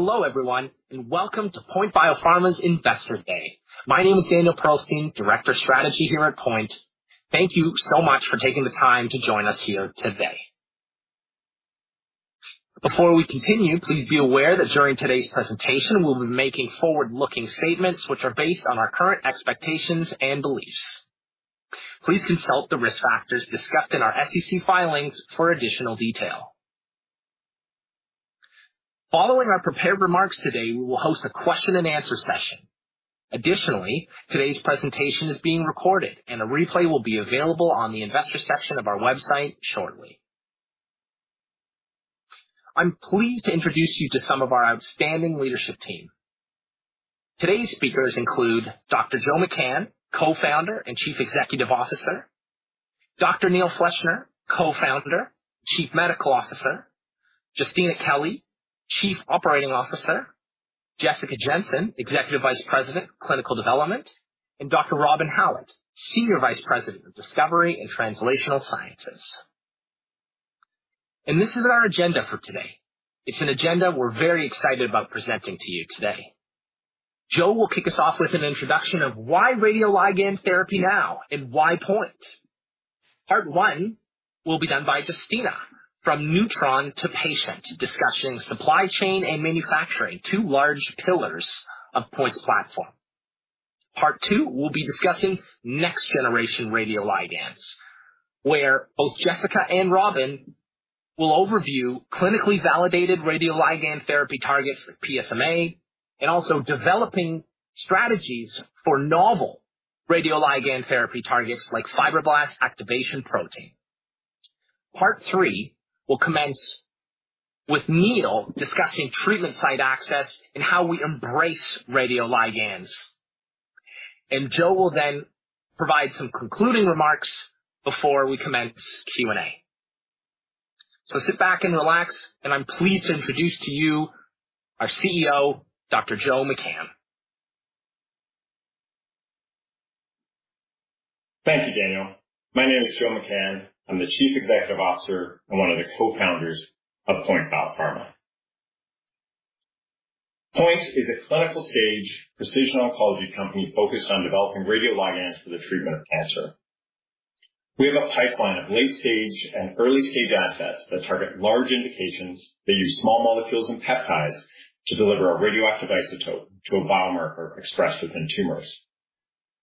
Hello, everyone, and welcome to POINT Biopharma's Investor Day. My name is Daniel Pearlstein, Director of Strategy here at POINT. Thank you so much for taking the time to join us here today. Before we continue, please be aware that during today's presentation, we'll be making forward-looking statements which are based on our current expectations and beliefs. Please consult the risk factors discussed in our SEC filings for additional detail. Following our prepared remarks today, we will host a question and answer session. Additionally, today's presentation is being recorded, and a replay will be available on the investor section of our website shortly. I'm pleased to introduce you to some of our outstanding leadership team. Today's speakers include Dr. Joe McCann, Co-founder and Chief Executive Officer, Dr. Neil Fleshner, Co-founder, Chief Medical Officer, Justyna Kelly, Chief Operating Officer, Jessica Jensen, Executive Vice President, Clinical Development. And Dr. Robin Hallett, Senior Vice President of Discovery and Translational Sciences. This is our agenda for today. It's an agenda we're very excited about presenting to you today. Joe will kick us off with an introduction of why radioligand therapy now and why POINT? Part one will be done by Justyna, from neutron to patient, discussing supply chain and manufacturing, two large pillars of POINT's platform. Part two will be discussing next generation radioligands, where both Jessica and Robin will overview clinically validated radioligand therapy targets like PSMA, and also developing strategies for novel radioligand therapy targets like Fibroblast Activation Protein. Part three will commence with Neil discussing treatment site access and how we embrace radioligands. Joe will then provide some concluding remarks before we commence Q&A. Sit back and relax, and I'm pleased to introduce to you our CEO, Dr. Joe McCann. Thank you, Daniel. My name is Joe McCann. I'm the Chief Executive Officer and one of the co-founders of POINT Biopharma. POINT is a clinical stage precision oncology company focused on developing radioligands for the treatment of cancer. We have a pipeline of late stage and early stage assets that target large indications that use small molecules and peptides to deliver a radioactive isotope to a biomarker expressed within tumors,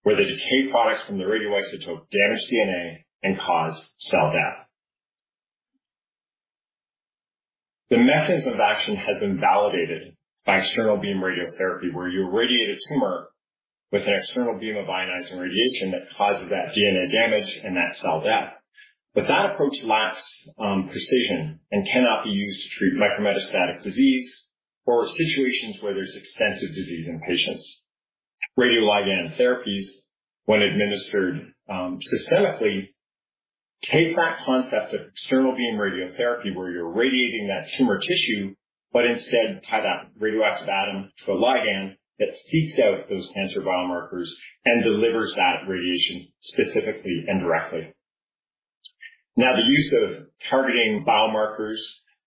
where the decay products from the radioisotope damage DNA and cause cell death. The mechanism of action has been validated by external beam radiotherapy, where you irradiate a tumor with an external beam of ionizing radiation that causes that DNA damage and that cell death. That approach lacks precision and cannot be used to treat micrometastatic disease or situations where there's extensive disease in patients. Radioligand therapies, when administered, systemically, take that concept of external beam radiotherapy, where you're irradiating that tumor tissue, but instead tie that radioactive atom to a ligand that seeks out those cancer biomarkers and delivers that radiation specifically and directly. Now, the use of targeting biomarkers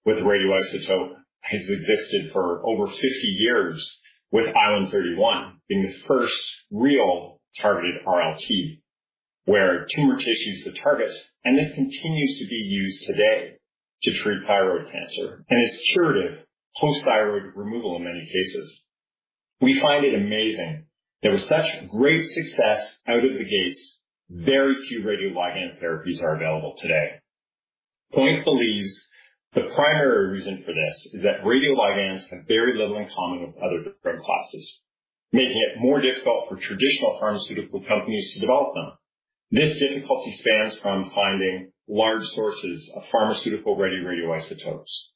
with radioisotope has existed for over 50 years, with I-131 being the first real targeted RLT, where tumor tissue is the target, and this continues to be used today to treat thyroid cancer and is curative post-thyroid removal in many cases. We find it amazing there was such great success out of the gates. Very few radioligand therapies are available today. POINT believes the primary reason for this is that radioligands have very little in common with other drug classes, making it more difficult for traditional pharmaceutical companies to develop them. This difficulty spans from finding large sources of pharmaceutical-ready radioisotopes,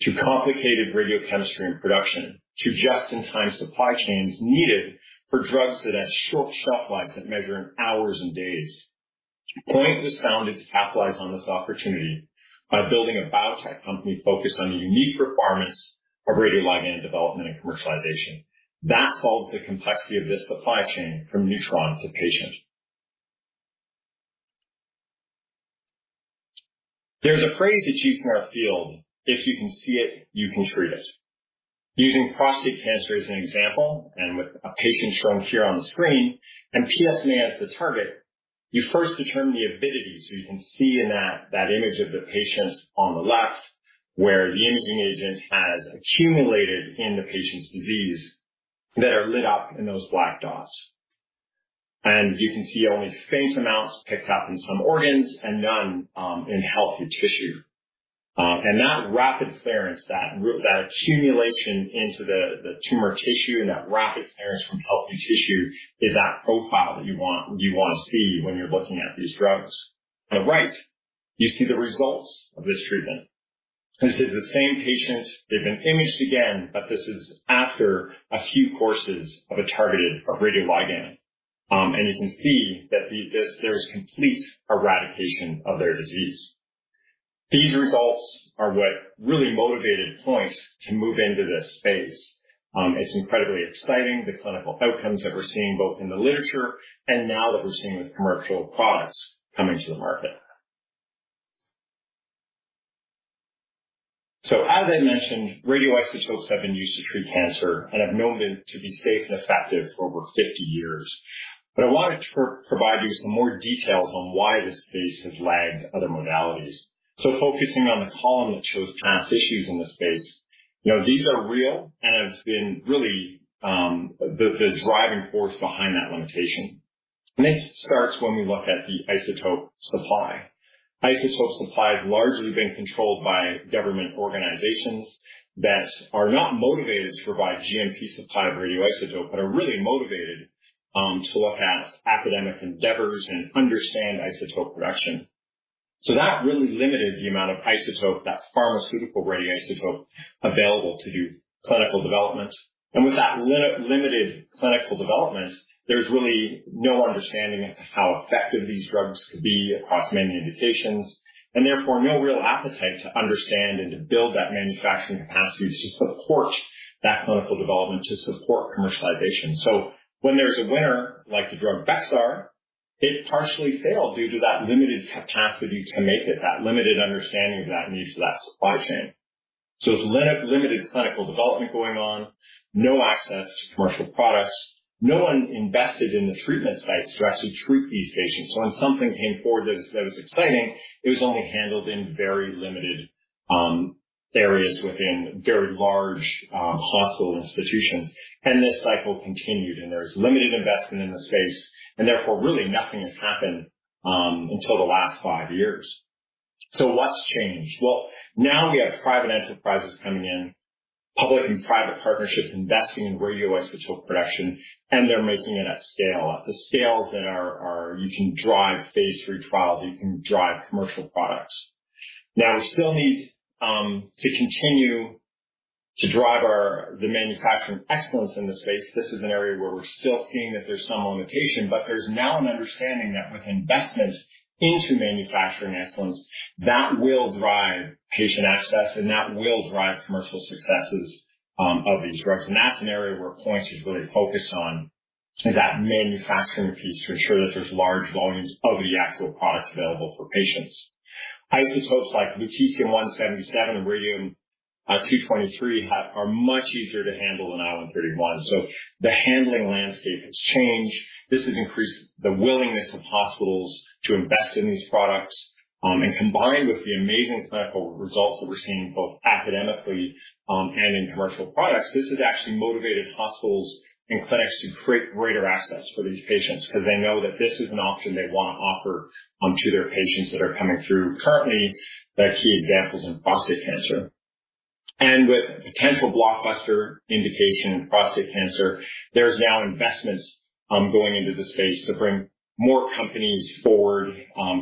to complicated radiochemistry and production, to just-in-time supply chains needed for drugs that have short shelf lives that measure in hours and days. POINT was founded to capitalize on this opportunity by building a biotech company focused on the unique requirements of radioligand development and commercialization. That solves the complexity of this supply chain from neutron to patient. There's a phrase achieved in our field: If you can see it, you can treat it. Using prostate cancer as an example, and with a patient shown here on the screen and PSMA as the target, you first determine the avidity. You can see in that image of the patient on the left, where the imaging agent has accumulated in the patient's disease, that are lit up in those black dots. You can see only faint amounts picked up in some organs and none in healthy tissue. That rapid clearance, that accumulation into the tumor tissue and that rapid clearance from healthy tissue is that profile that you want to see when you're looking at these drugs. On the right, you see the results of this treatment. This is the same patient. They've been imaged again, but this is after a few courses of a targeted radioligand. You can see that there is complete eradication of their disease. These results are what really motivated POINT to move into this space. It's incredibly exciting, the clinical outcomes that we're seeing both in the literature and now that we're seeing with commercial products coming to the market. As I mentioned, radioisotopes have been used to treat cancer and have known them to be safe and effective for over 50 years. I wanted to provide you some more details on why this space has lagged other modalities. Focusing on the column that shows past issues in the space, you know, these are real and have been really the driving force behind that limitation. This starts when we look at the isotope supply. Isotope supply has largely been controlled by government organizations that are not motivated to provide GMP supply of radioisotope, but are really motivated to look at academic endeavors and understand isotope production. That really limited the amount of isotope, that pharmaceutical radioisotope available to do clinical development. With that limited clinical development, there's really no understanding of how effective these drugs could be across many indications, and therefore no real appetite to understand and to build that manufacturing capacity to support that clinical development, to support commercialization. When there's a winner, like the drug Bexxar, it partially failed due to that limited capacity to make it, that limited understanding of that and use of that supply chain. There's limited clinical development going on, no access to commercial products, no one invested in the treatment sites to actually treat these patients. When something came forward that was exciting, it was only handled in very limited areas within very large hospital institutions. This cycle continued, and there's limited investment in the space, and therefore, really nothing has happened until the last five years. What's changed? Well, now we have private enterprises coming in, public and private partnerships, investing in radioisotope production, and they're making it at scale. At the scales that you can drive phase III trials, you can drive commercial products. We still need to continue to drive the manufacturing excellence in the space. This is an area where we're still seeing that there's some limitation, but there's now an understanding that with investment into manufacturing excellence, that will drive patient access, and that will drive commercial successes of these drugs. That's an area where POINT is really focused on, is that manufacturing piece to ensure that there's large volumes of the actual product available for patients. Isotopes like Lutetium-177, and Radium-223 are much easier to handle than I-131. The handling landscape has changed. This has increased the willingness of hospitals to invest in these products. Combined with the amazing clinical results that we're seeing, both academically and in commercial products, this has actually motivated hospitals and clinics to create greater access for these patients, 'cause they know that this is an option they want to offer to their patients that are coming through. Currently, there are key examples in prostate cancer. With potential blockbuster indication in prostate cancer, there's now investments going into the space to bring more companies forward,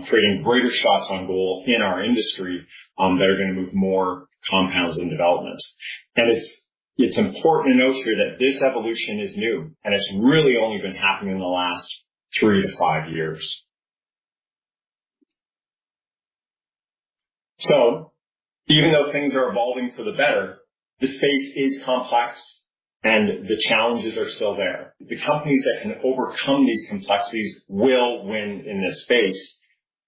creating greater shots on goal in our industry that are gonna move more compounds in development. It's important to note here that this evolution is new, and it's really only been happening in the last three to five years. Even though things are evolving for the better, the space is complex, and the challenges are still there. The companies that can overcome these complexities will win in this space,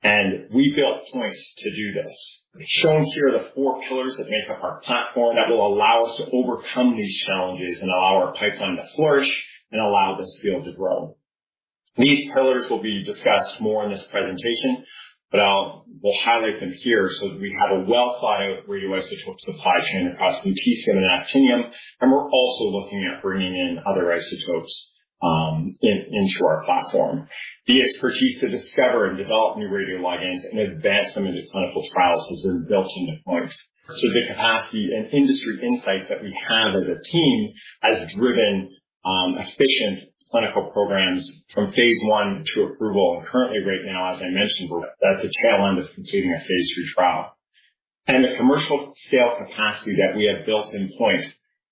and we built POINT to do this. Shown here are the four pillars that make up our platform, that will allow us to overcome these challenges and allow our pipeline to flourish and allow this field to grow. These pillars will be discussed more in this presentation, but we'll highlight them here. We have a well thought out radioisotope supply chain across lutetium and actinium, and we're also looking at bringing in other isotopes into our platform. The expertise to discover and develop new radioligands and advance them into clinical trials is inbuilt into POINT. The capacity and industry insights that we have as a team has driven efficient clinical programs from phase I to approval. Currently, right now, as I mentioned, we're at the tail end of completing a phase III trial. The commercial scale capacity that we have built in POINT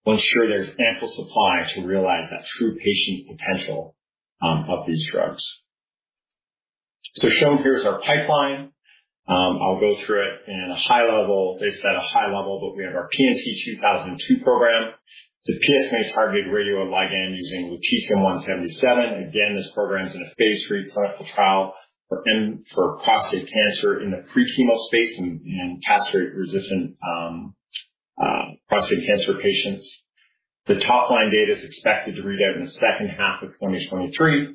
will ensure there's ample supply to realize that true patient potential of these drugs. Shown here is our pipeline. I'll go through it in a high level. It's at a high level, but we have our PNT2002 program. It's a PSMA-targeted radioligand using Lutetium-177. Again, this program is in a phase III clinical trial for prostate cancer in the pre-chemo space, in castrate-resistant prostate cancer patients. The top-line data is expected to read out in the second half of 2023.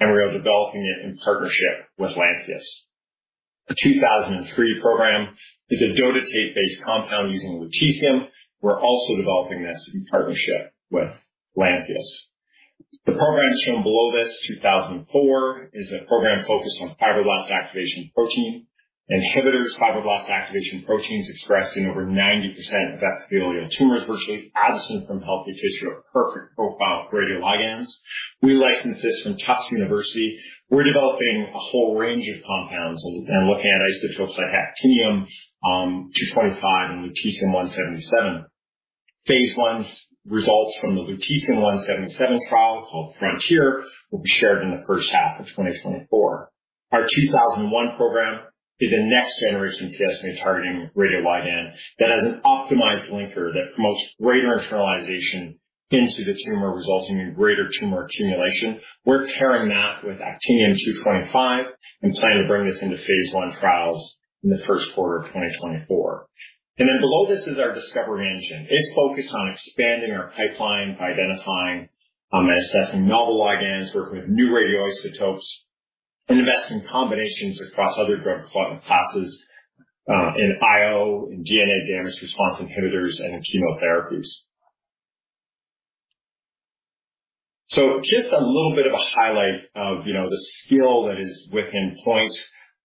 We are developing it in partnership with Lantheus. The 2003 program is a DOTATATE-based compound using lutetium. We're also developing this in partnership with Lantheus. The programs shown below this, 2004, is a program focused on Fibroblast Activation Protein. Inhibitors Fibroblast Activation Protein is expressed in over 90% of epithelial tumors, virtually absent from healthy tissue, a perfect profile for radioligands. We licensed this from Tufts University. We're developing a whole range of compounds and looking at isotopes like Actinium-225 and Lutetium-177. Phase I's results from the Lutetium-177 trial, called Frontier, will be shared in the first half of 2024. Our PNT2001 program is a next-generation PSMA-targeting radioligand that has an optimized linker that promotes greater internalization into the tumor, resulting in greater tumor accumulation. We're pairing that with Actinium-225 and planning to bring this into phase I trials in the first quarter of 2024. Below this is our discovery engine. It's focused on expanding our pipeline by identifying and assessing novel ligands, working with new radioisotopes, and investing in combinations across other drug classes in IO, in DNA damage response inhibitors, and in chemotherapies. Just a little bit of a highlight of, you know, the skill that is within POINT,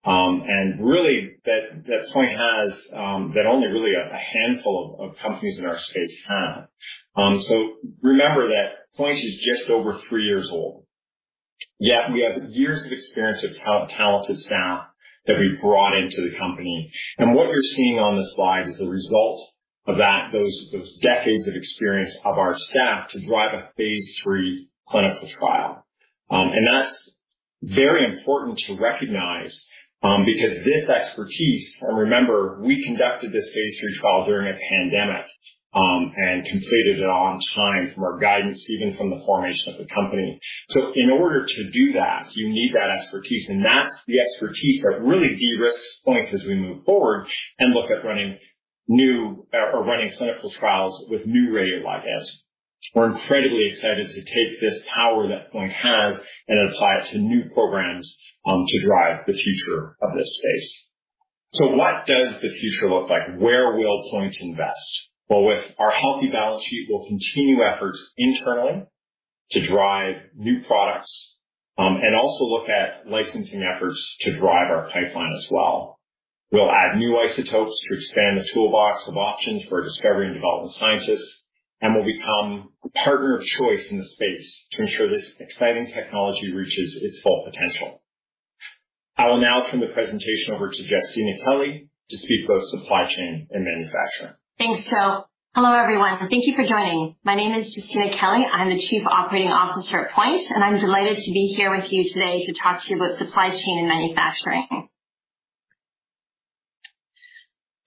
and really that POINT has, that only really a handful of companies in our space have. Remember that POINT is just over three years old, yet we have years of experience of talented staff that we brought into the company. What you're seeing on the slide is the result of that, those decades of experience of our staff to drive a phase III clinical trial. That's very important to recognize, because this expertise, and remember, we conducted this phase III trial during a pandemic, completed it on time from our guidance, even from the formation of the company. In order to do that, you need that expertise, that's the expertise that really de-risks POINT as we move forward and look at running new or running clinical trials with new radioligands. We're incredibly excited to take this power that POINT has and apply it to new programs to drive the future of this space. What does the future look like? Where will POINT invest? Well, with our healthy balance sheet, we'll continue efforts internally to drive new products, and also look at licensing efforts to drive our pipeline as well. We'll add new isotopes to expand the toolbox of options for discovery and development scientists, and we'll become the partner of choice in the space to ensure this exciting technology reaches its full potential. I will now turn the presentation over to Justyna Kelly to speak about supply chain and manufacturing. Thanks, Joe. Hello, everyone, and thank you for joining. My name is Justyna Kelly. I'm the Chief Operating Officer at POINT, and I'm delighted to be here with you today to talk to you about supply chain and manufacturing.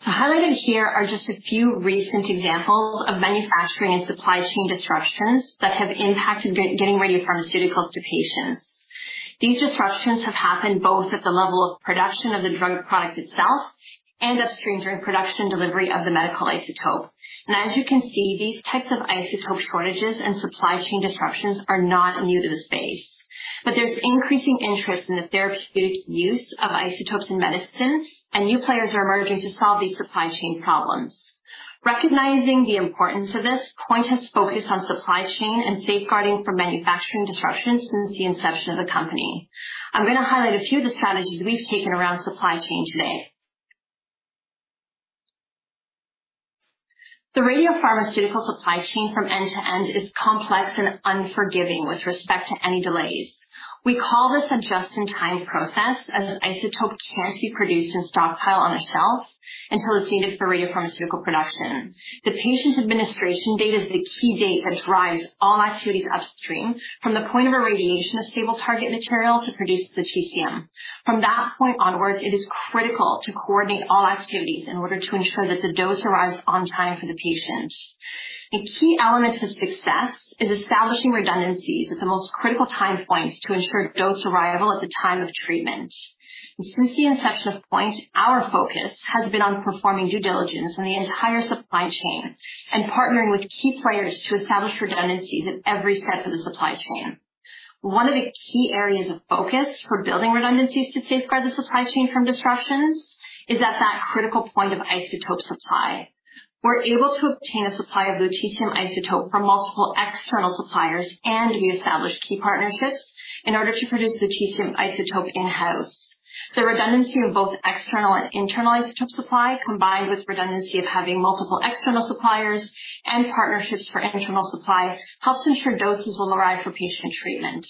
Highlighted here are just a few recent examples of manufacturing and supply chain disruptions that have impacted getting radiopharmaceuticals to patients. These disruptions have happened both at the level of production of the drug product itself and upstream during production delivery of the medical isotope. As you can see, these types of isotope shortages and supply chain disruptions are not new to the space. There's increasing interest in the therapeutic use of isotopes in medicine, and new players are emerging to solve these supply chain problems. Recognizing the importance of this, POINT has focused on supply chain and safeguarding from manufacturing disruptions since the inception of the company. I'm going to highlight a few of the strategies we've taken around supply chain today. The radiopharmaceutical supply chain from end to end is complex and unforgiving with respect to any delays. We call this a just-in-time process, as an isotope can't be produced and stockpiled on a shelf until it's needed for radiopharmaceutical production. The patient's administration date is the key date that drives all activities upstream from the POINT of irradiation of stable target material to produce the lutetium. From that POINT onwards, it is critical to coordinate all activities in order to ensure that the dose arrives on time for the patient. A key element to success is establishing redundancies at the most critical time POINTs to ensure dose arrival at the time of treatment. Since the inception of POINT, our focus has been on performing due diligence on the entire supply chain and partnering with key players to establish redundancies at every step of the supply chain. One of the key areas of focus for building redundancies to safeguard the supply chain from disruptions is at that critical POINT of isotope supply. We're able to obtain a supply of lutetium isotope from multiple external suppliers, and we established key partnerships in order to produce the lutetium isotope in-house. The redundancy of both external and internal isotope supply, combined with redundancy of having multiple external suppliers and partnerships for internal supply, helps ensure doses will arrive for patient treatment.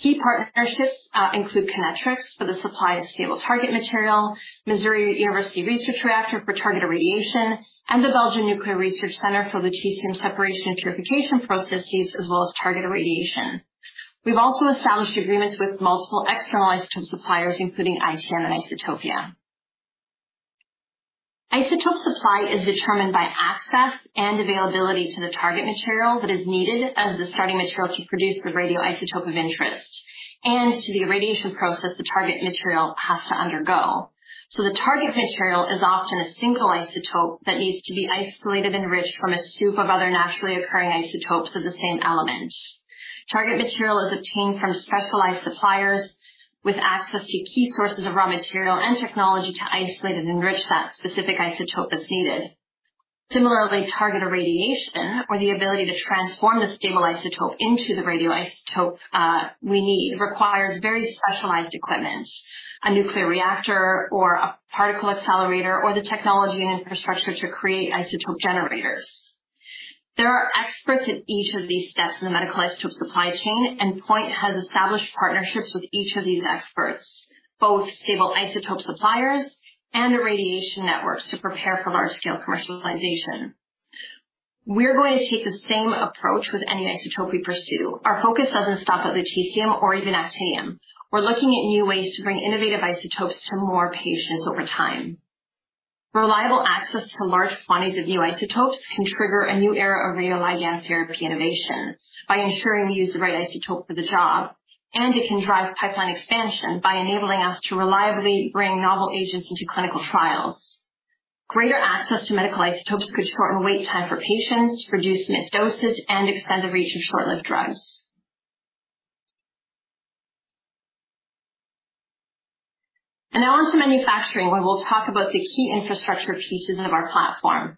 Key partnerships include Kinectrics for the supply of stable target material, University of Missouri Research Reactor for targeted radiation, and the Belgian Nuclear Research Centre for lutetium separation and purification processes, as well as targeted radiation. We've also established agreements with multiple external isotope suppliers, including ITM and Isotopia. Isotope supply is determined by access and availability to the target material that is needed as the starting material to produce the radioisotope of interest and to the irradiation process the target material has to undergo. The target material is often a single isotope that needs to be isolated and enriched from a soup of other naturally occurring isotopes of the same element. Target material is obtained from specialized suppliers with access to key sources of raw material and technology to isolate and enrich that specific isotope that's needed. Similarly, targeted radiation or the ability to transform the stable isotope into the radioisotope, we need, requires very specialized equipment, a nuclear reactor, or a particle accelerator, or the technology and infrastructure to create isotope generators. There are experts at each of these steps in the medical isotope supply chain. POINT has established partnerships with each of these experts, both stable isotope suppliers and irradiation networks, to prepare for large-scale commercialization. We're going to take the same approach with any isotope we pursue. Our focus doesn't stop at lutetium or even actinium. We're looking at new ways to bring innovative isotopes to more patients over time. Reliable access to large quantities of new isotopes can trigger a new era of radioligand therapy innovation by ensuring we use the right isotope for the job. It can drive pipeline expansion by enabling us to reliably bring novel agents into clinical trials. Greater access to medical isotopes could shorten wait time for patients, reduce missed doses, and extend the reach of short-lived drugs. Now on to manufacturing, where we'll talk about the key infrastructure pieces of our platform.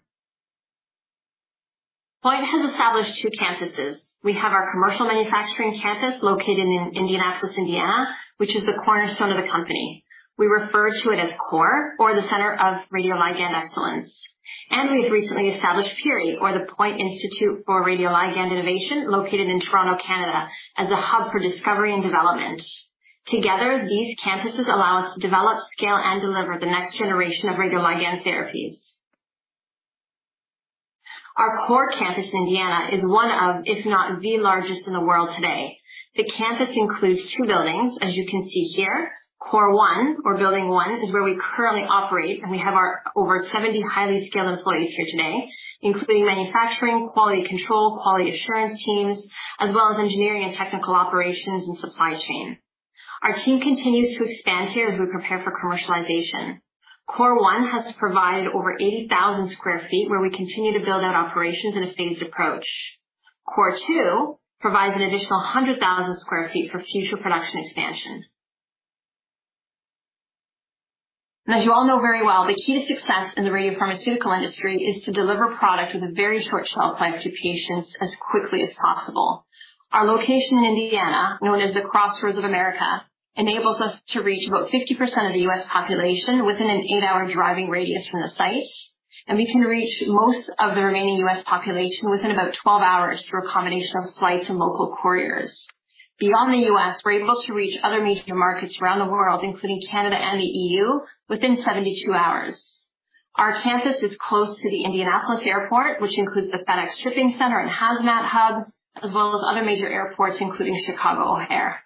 POINT has established two campuses. We have our commercial manufacturing campus located in Indianapolis, Indiana, which is the cornerstone of the company. We refer to it as CORE or the Center of Radioligand Excellence, we've recently established PIRI, or the POINT Institute for Radioligand Innovation, located in Toronto, Canada, as a hub for discovery and development. Together, these campuses allow us to develop, scale, and deliver the next generation of radioligand therapies. Our CORE campus in Indiana is one of, if not the largest in the world today. The campus includes two buildings, as you can see here. CORE one or building one, is where we currently operate, and we have our over 70 highly skilled employees here today, including manufacturing, quality control, quality assurance teams, as well as engineering and technical operations and supply chain. Our team continues to expand here as we prepare for commercialization. CORE one has provided over 80,000 sq ft, where we continue to build out operations in a phased approach. CORE two provides an additional 100,000 sq ft for future production expansion. As you all know very well, the key to success in the radiopharmaceutical industry is to deliver product with a very short shelf life to patients as quickly as possible. Our location in Indiana, known as the crossroads of America, enables us to reach about 50% of the U.S. population within an eight-hour driving radius from the site. We can reach most of the remaining U.S. population within about 12 hours through a combination of flights and local couriers. Beyond the U.S., we're able to reach other major markets around the world, including Canada and the EU, within 72 hours. Our campus is close to the Indianapolis Airport, which includes the FedEx shipping center and HazMat hub, as well as other major airports, including Chicago O'Hare.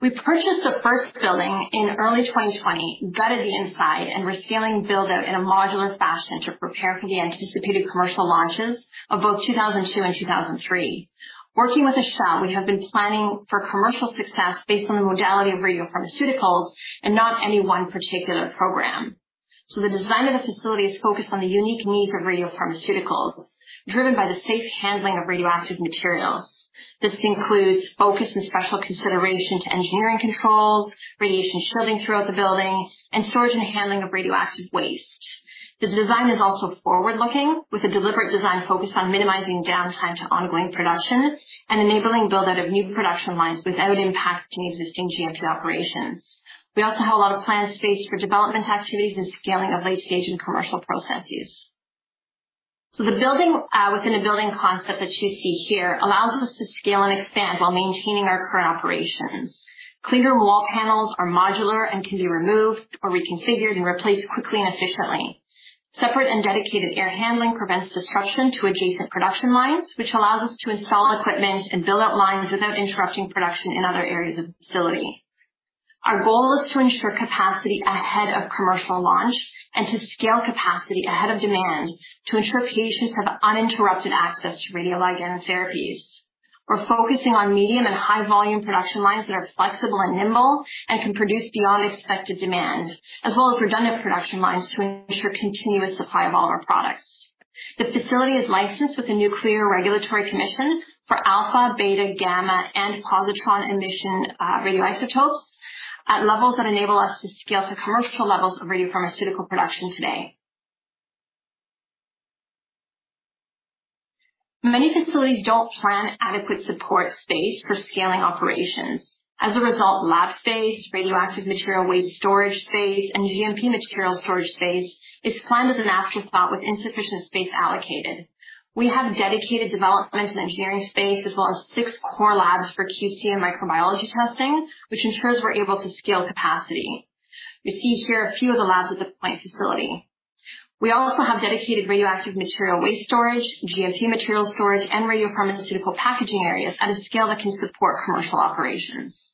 We purchased the first building in early 2020, gutted the inside, and we're scaling build-out in a modular fashion to prepare for the anticipated commercial launches of both PNT2002 and PNT2003. Working with Inizio, we have been planning for commercial success based on the modality of radiopharmaceuticals and not any one particular program. The design of the facility is focused on the unique needs of radiopharmaceuticals, driven by the safe handling of radioactive materials. This includes focus and special consideration to engineering controls, radiation shielding throughout the building, and storage and handling of radioactive waste. The design is also forward-looking, with a deliberate design focused on minimizing downtime to ongoing production and enabling build-out of new production lines without impacting existing GMP operations. We also have a lot of planned space for development activities and scaling of late-stage and commercial processes. The building within a building concept that you see here allows us to scale and expand while maintaining our current operations. Clear wall panels are modular and can be removed or reconfigured and replaced quickly and efficiently. Separate and dedicated air handling prevents disruption to adjacent production lines, which allows us to install equipment and build out lines without interrupting production in other areas of the facility. Our goal is to ensure capacity ahead of commercial launch and to scale capacity ahead of demand to ensure patients have uninterrupted access to radioligand therapies. We're focusing on medium and high volume production lines that are flexible and nimble and can produce beyond expected demand, as well as redundant production lines to ensure continuous supply of all our products. The facility is licensed with the Nuclear Regulatory Commission for alpha, beta, gamma, and positron emission radioisotopes at levels that enable us to scale to commercial levels of radiopharmaceutical production today. Many facilities don't plan adequate support space for scaling operations. As a result, lab space, radioactive material, waste storage space, and GMP material storage space is planned as an afterthought with insufficient space allocated. We have dedicated development and engineering space, as well as six core labs for QC and microbiology testing, which ensures we're able to scale capacity. You see here a few of the labs at the POINT facility. We also have dedicated radioactive material, waste storage, GMP material storage, and radiopharmaceutical packaging areas at a scale that can support commercial operations.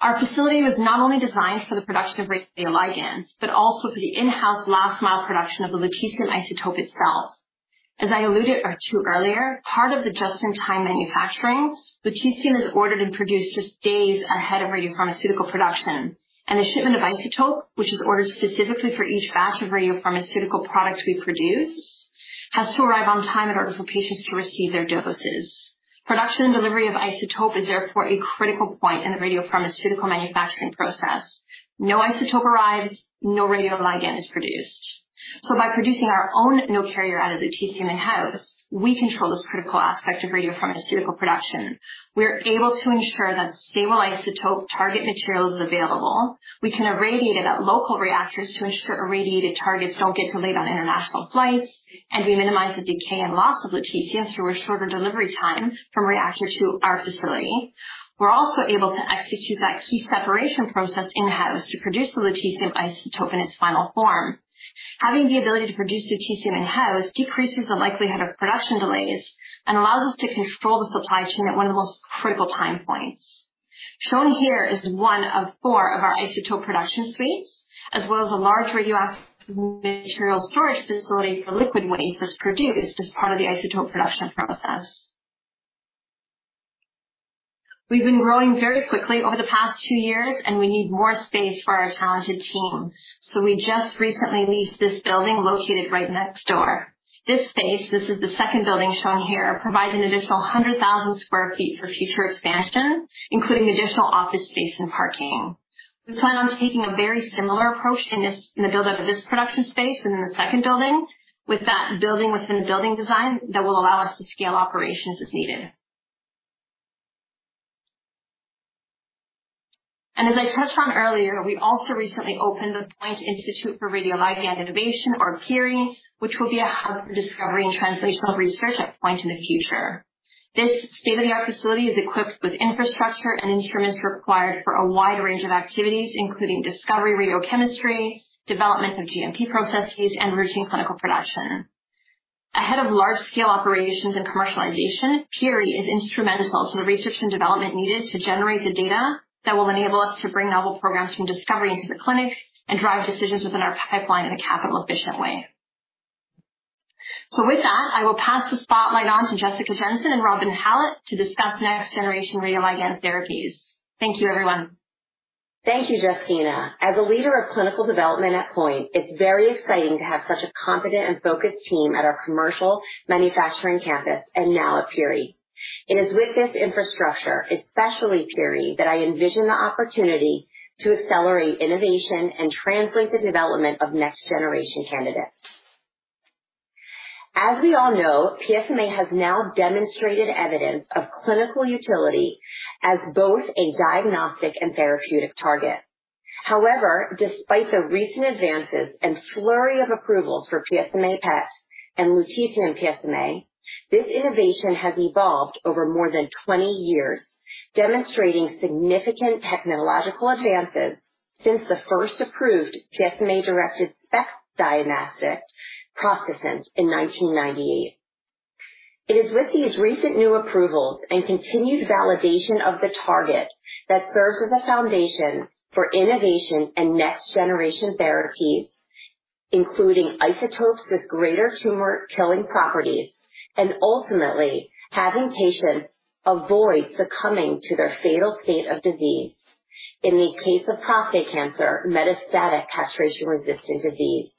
Our facility was not only designed for the production of radioligands, but also for the in-house last mile production of the lutetium isotope itself. As I alluded to earlier, part of the just-in-time manufacturing, lutetium is ordered and produced just days ahead of radiopharmaceutical production, and a shipment of isotope, which is ordered specifically for each batch of radiopharmaceutical products we produce, has to arrive on time in order for patients to receive their doses. Production and delivery of isotope is therefore a critical POINT in the radiopharmaceutical manufacturing process. No isotope arrives, no radioligand is produced. By producing our own no-carrier-added lutetium in-house, we control this critical aspect of radiopharmaceutical production. We're able to ensure that stable isotope target material is available. We can irradiate it at local reactors to ensure irradiated targets don't get delayed on international flights, and we minimize the decay and loss of lutetium through a shorter delivery time from reactor to our facility. We're also able to execute that key separation process in-house to produce the lutetium isotope in its final form. Having the ability to produce lutetium in-house decreases the likelihood of production delays and allows us to control the supply chain at one of the most critical time POINTs. Shown here is one of four of our isotope production suites, as well as a large radioactive material storage facility for liquid waste that's produced as part of the isotope production process. We've been growing very quickly over the past two years, and we need more space for our talented team. We just recently leased this building located right next door. This space, the second building shown here, provides an additional 100,000 sq ft for future expansion, including additional office space and parking. We plan on taking a very similar approach in this, in the build-out of this production space and in the second building, with that building within the building design that will allow us to scale operations as needed. As I touched on earlier, we also recently opened the POINT Institute for Radioligand Innovation, or PIRI, which will be a hub for discovery and translational research at POINT in the future. This state-of-the-art facility is equipped with infrastructure and instruments required for a wide range of activities, including discovery, radiochemistry, development of GMP processes, and routine clinical production. Ahead of large-scale operations and commercialization, PIRI is instrumental to the research and development needed to generate the data that will enable us to bring novel programs from discovery into the clinic and drive decisions within our pipeline in a capital-efficient way. With that, I will pass the spotlight on to Jessica Jensen and Robin Hallett to discuss next-generation radioligand therapies. Thank you, everyone. Thank you, Justyna. As a leader of clinical development at POINT, it's very exciting to have such a confident and focused team at our commercial manufacturing campus and now at PIRI. It is with this infrastructure, especially PIRI, that I envision the opportunity to accelerate innovation and translate the development of next-generation candidates. As we all know, PSMA has now demonstrated evidence of clinical utility as both a diagnostic and therapeutic target. Despite the recent advances and flurry of approvals for PSMA PET and lutetium PSMA, this innovation has evolved over more than 20 years, demonstrating significant technological advances since the first approved PSMA-directed SPECT diagnostic process in 1998. It is with these recent new approvals and continued validation of the target that serves as a foundation for innovation and next-generation therapies, including isotopes with greater tumor-killing properties and ultimately having patients avoid succumbing to their fatal state of disease. In the case of prostate cancer, metastatic castration-resistant disease,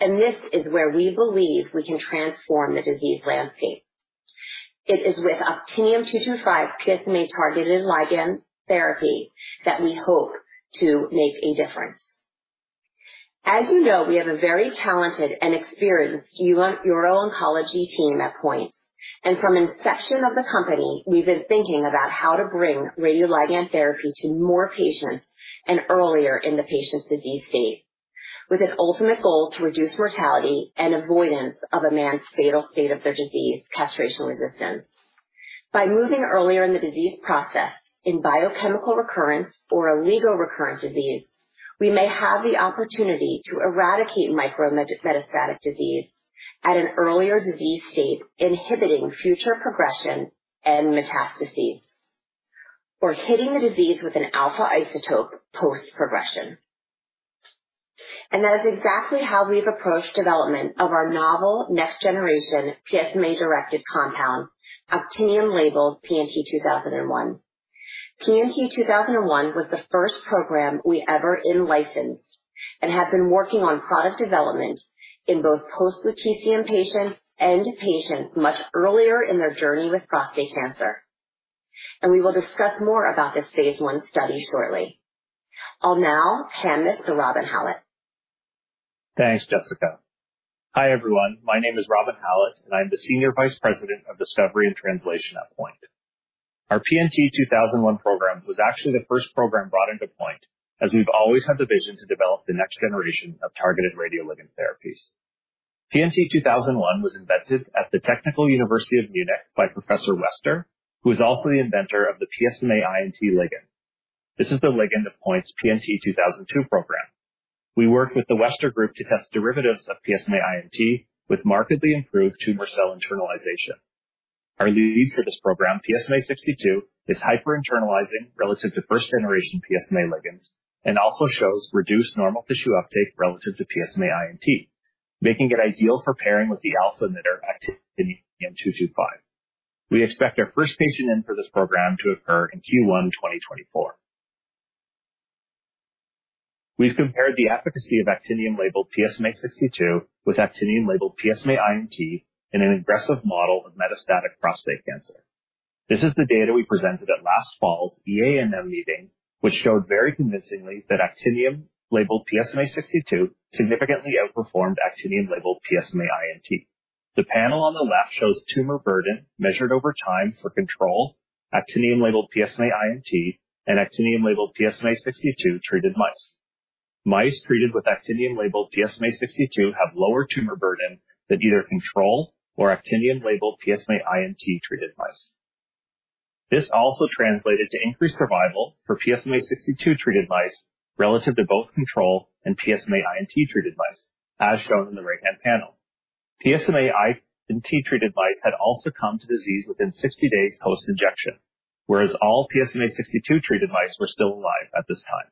this is where we believe we can transform the disease landscape. It is with Actinium-225 PSMA-targeted ligand therapy that we hope to make a difference. As you know, we have a very talented and experienced uro-oncology team at POINT, from inception of the company, we've been thinking about how to bring radioligand therapy to more patients and earlier in the patient's disease state, with an ultimate goal to reduce mortality and avoidance of a man's fatal state of their disease, castration resistance. By moving earlier in the disease process, in biochemical recurrence or oligorecurrent disease, we may have the opportunity to eradicate micrometastatic disease at an earlier disease state, inhibiting future progression and metastases, or hitting the disease with an alpha isotope post-progression. That is exactly how we've approached development of our novel next-generation PSMA-directed compound, actinium-labeled PNT2001. PNT2001 was the first program we ever in-licensed and have been working on product development in both post-lutetium patients and patients much earlier in their journey with prostate cancer. We will discuss more about this phase I study shortly. I'll now hand this to Robin Hallett. Thanks, Jessica. Hi, everyone. My name is Robin Hallett, and I'm the Senior Vice President of Discovery and Translation at POINT. Our PNT2001 program was actually the first program brought into POINT, as we've always had the vision to develop the next generation of targeted radioligand therapies. PNT2001 was invented at the Technical University of Munich by Hans-Jürgen Wester, who is also the inventor of the PSMA I&T ligand. This is the ligand of POINT's PNT2002 program. We worked with the Wester Group to test derivatives of PSMA I&T with markedly improved tumor cell internalization. Our lead for this program, PSMA-62, is hype-rinternalizing relative to first-generation PSMA ligands and also shows reduced normal tissue uptake relative to PSMA I&T, making it ideal for pairing with the alpha emitter actinium-225. We expect our first patient in for this program to occur in Q1 2024. We've compared the efficacy of actinium-labeled PSMA-62 with actinium-labeled PSMA I&T in an aggressive model of metastatic prostate cancer. This is the data we presented at last fall's EANM meeting, which showed very convincingly that actinium-labeled PSMA-62 significantly outperformed actinium-labeled PSMA I&T. The panel on the left shows tumor burden measured over time for control, actinium-labeled PSMA I&T, and actinium-labeled PSMA-62 treated mice. Mice treated with actinium-labeled PSMA-62 have lower tumor burden than either control or actinium-labeled PSMA I&T-treated mice. This also translated to increased survival for PSMA-62 treated mice relative to both control and PSMA I&T treated mice, as shown in the right-hand panel. PSMA I&T treated mice had also come to disease within 60 days post-injection, whereas all PSMA-62 treated mice were still alive at this time.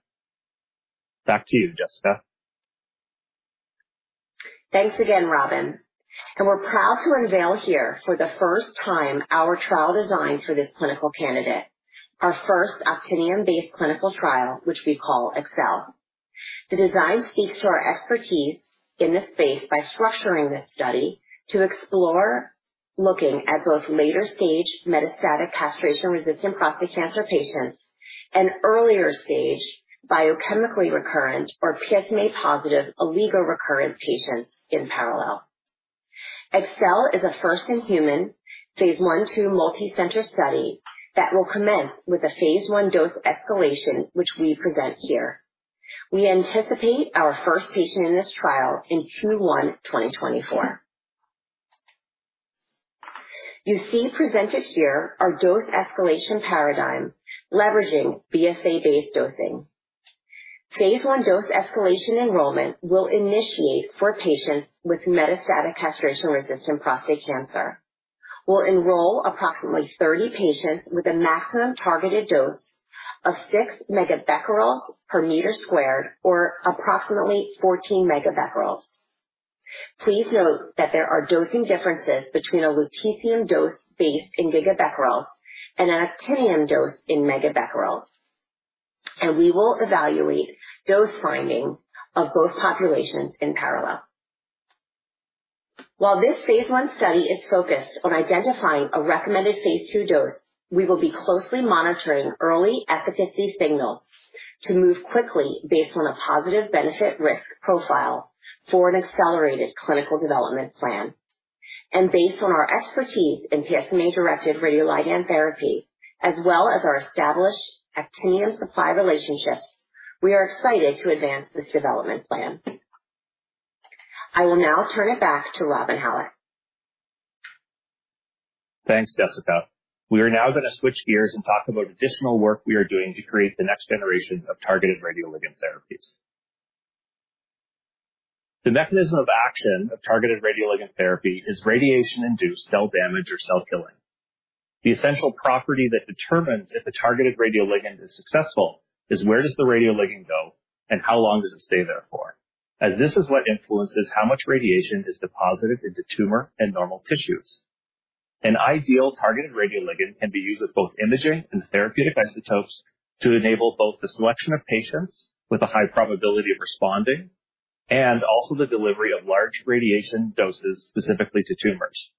Back to you, Jessica. Thanks again, Robin, we're proud to unveil here for the first time our trial design for this clinical candidate, our first actinium-based clinical trial, which we call ACCEL. The design speaks to our expertise in this space by structuring this study to explore, looking at both later-stage metastatic castration-resistant prostate cancer patients and earlier-stage biochemically recurrent or PSMA-positive oligo-recurrent patients in parallel. ACCEL is a first-in-human, phase I, phase II multi-center study that will commence with a phase I dose escalation, which we present here. We anticipate our first patient in this trial in Q1 2024. You see presented here our dose escalation paradigm, leveraging BSA-based dosing. Phase I dose escalation enrollment will initiate for patients with metastatic castration-resistant prostate cancer. We'll enroll approximately 30 patients with a maximum targeted dose of 6 MBq per meter squared, or approximately 14MBq. Please note that there are dosing differences between a lutetium dose based in gigabecquerels and an actinium dose in megabecquerels, and we will evaluate dose finding of both populations in parallel. While this phase I study is focused on identifying a recommended phase II dose, we will be closely monitoring early efficacy signals to move quickly based on a positive benefit-risk profile for an accelerated clinical development plan. Based on our expertise in PSMA-directed radioligand therapy, as well as our established actinium supply relationships, we are excited to advance this development plan. I will now turn it back to Robin Hallett. Thanks, Jessica. We are now going to switch gears and talk about additional work we are doing to create the next generation of targeted radioligand therapies. The mechanism of action of targeted radioligand therapy is radiation-induced cell damage or cell killing. The essential property that determines if a targeted radioligand is successful is where does the radioligand go and how long does it stay there for. This is what influences how much radiation is deposited into tumor and normal tissues. An ideal targeted radioligand can be used with both imaging and therapeutic isotopes to enable both the selection of patients with a high probability of responding and also the delivery of large radiation doses specifically to tumors.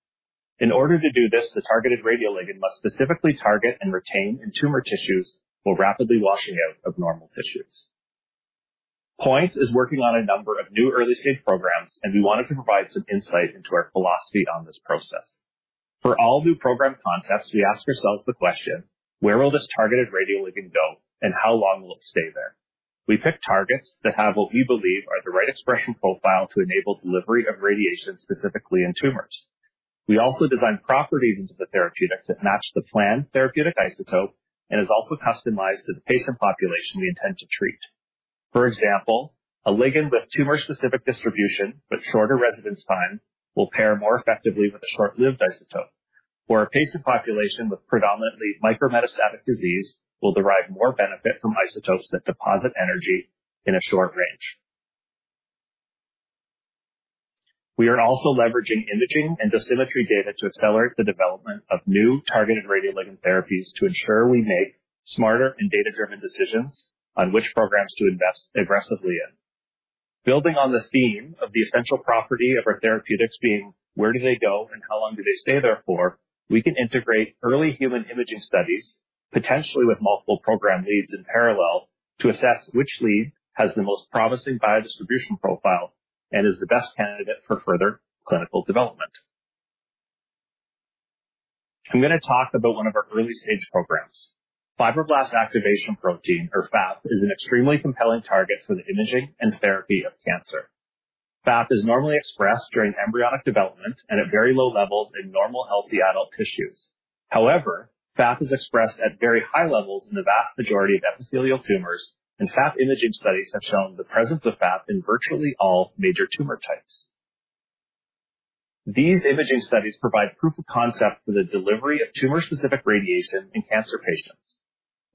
In order to do this, the targeted radioligand must specifically target and retain in tumor tissues while rapidly washing out of normal tissues. POINT is working on a number of new early-stage programs. We wanted to provide some insight into our philosophy on this process. For all new program concepts, we ask ourselves the question: Where will this targeted radioligand go, and how long will it stay there? We pick targets that have what we believe are the right expression profile to enable delivery of radiation, specifically in tumors. We also design properties into the therapeutic to match the planned therapeutic isotope and is also customized to the patient population we intend to treat. For example, a ligand with tumor-specific distribution but shorter residence time will pair more effectively with a short-lived isotope, where a patient population with predominantly micrometastatic disease will derive more benefit from isotopes that deposit energy in a short range. We are also leveraging imaging and dosimetry data to accelerate the development of new targeted radioligand therapies to ensure we make smarter and data-driven decisions on which programs to invest aggressively in. Building on the theme of the essential property of our therapeutics being where do they go and how long do they stay there for, we can integrate early human imaging studies, potentially with multiple program leads in parallel, to assess which lead has the most promising biodistribution profile and is the best candidate for further clinical development. I'm going to talk about one of our early-stage programs. Fibroblast Activation Protein, or FAP, is an extremely compelling target for the imaging and therapy of cancer. FAP is normally expressed during embryonic development and at very low levels in normal, healthy adult tissues. FAP is expressed at very high levels in the vast majority of epithelial tumors, and FAP imaging studies have shown the presence of FAP in virtually all major tumor types. These imaging studies provide proof of concept for the delivery of tumor-specific radiation in cancer patients.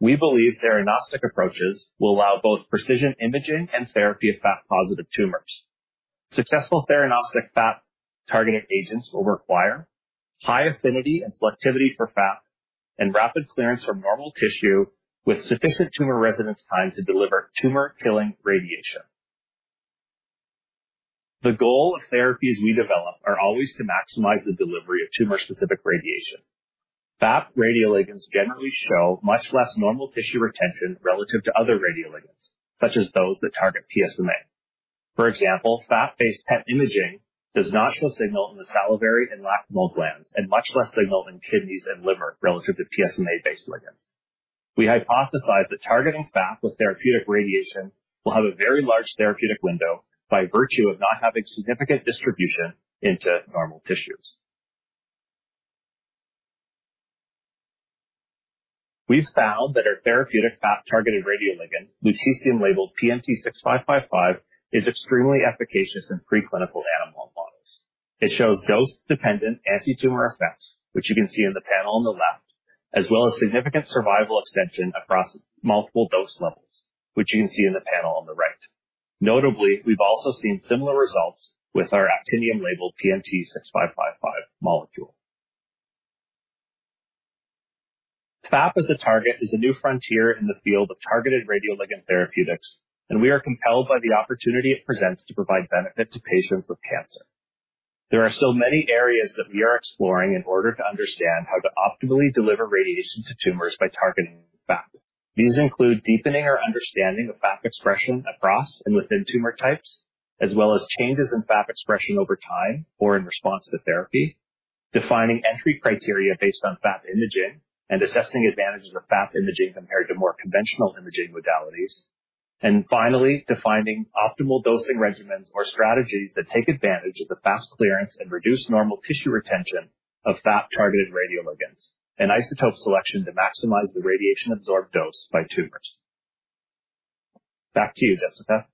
We believe theranostic approaches will allow both precision imaging and therapy of FAP-positive tumors. Successful theranostic FAP-targeted agents will require high affinity and selectivity for FAP and rapid clearance from normal tissue with sufficient tumor residence time to deliver tumor-killing radiation. The goal of therapies we develop are always to maximize the delivery of tumor-specific radiation. FAP radioligands generally show much less normal tissue retention relative to other radioligands, such as those that target PSMA. For example, FAP-based PET imaging does not show signal in the salivary and lacrimal glands and much less signal in kidneys and liver relative to PSMA-based ligands. We hypothesize that targeting FAP with therapeutic radiation will have a very large therapeutic window by virtue of not having significant distribution into normal tissues. We've found that our therapeutic FAP-targeted radioligand, lutetium labeled PNT6555, is extremely efficacious in preclinical animal models. It shows dose-dependent antitumor effects, which you can see in the panel on the left, as well as significant survival extension across multiple dose levels, which you can see in the panel on the right. Notably, we've also seen similar results with our actinium-labeled PNT6555 molecule. FAP as a target is a new frontier in the field of targeted radioligand therapeutics, and we are compelled by the opportunity it presents to provide benefit to patients with cancer. There are still many areas that we are exploring in order to understand how to optimally deliver radiation to tumors by targeting FAP. These include deepening our understanding of FAP expression across and within tumor types, as well as changes in FAP expression over time or in response to therapy, defining entry criteria based on FAP imaging, and assessing advantages of FAP imaging compared to more conventional imaging modalities. Finally, defining optimal dosing regimens or strategies that take advantage of the fast clearance and reduced normal tissue retention of FAP-targeted radioligands, and isotope selection to maximize the radiation absorbed dose by tumors. Back to you, Jessica.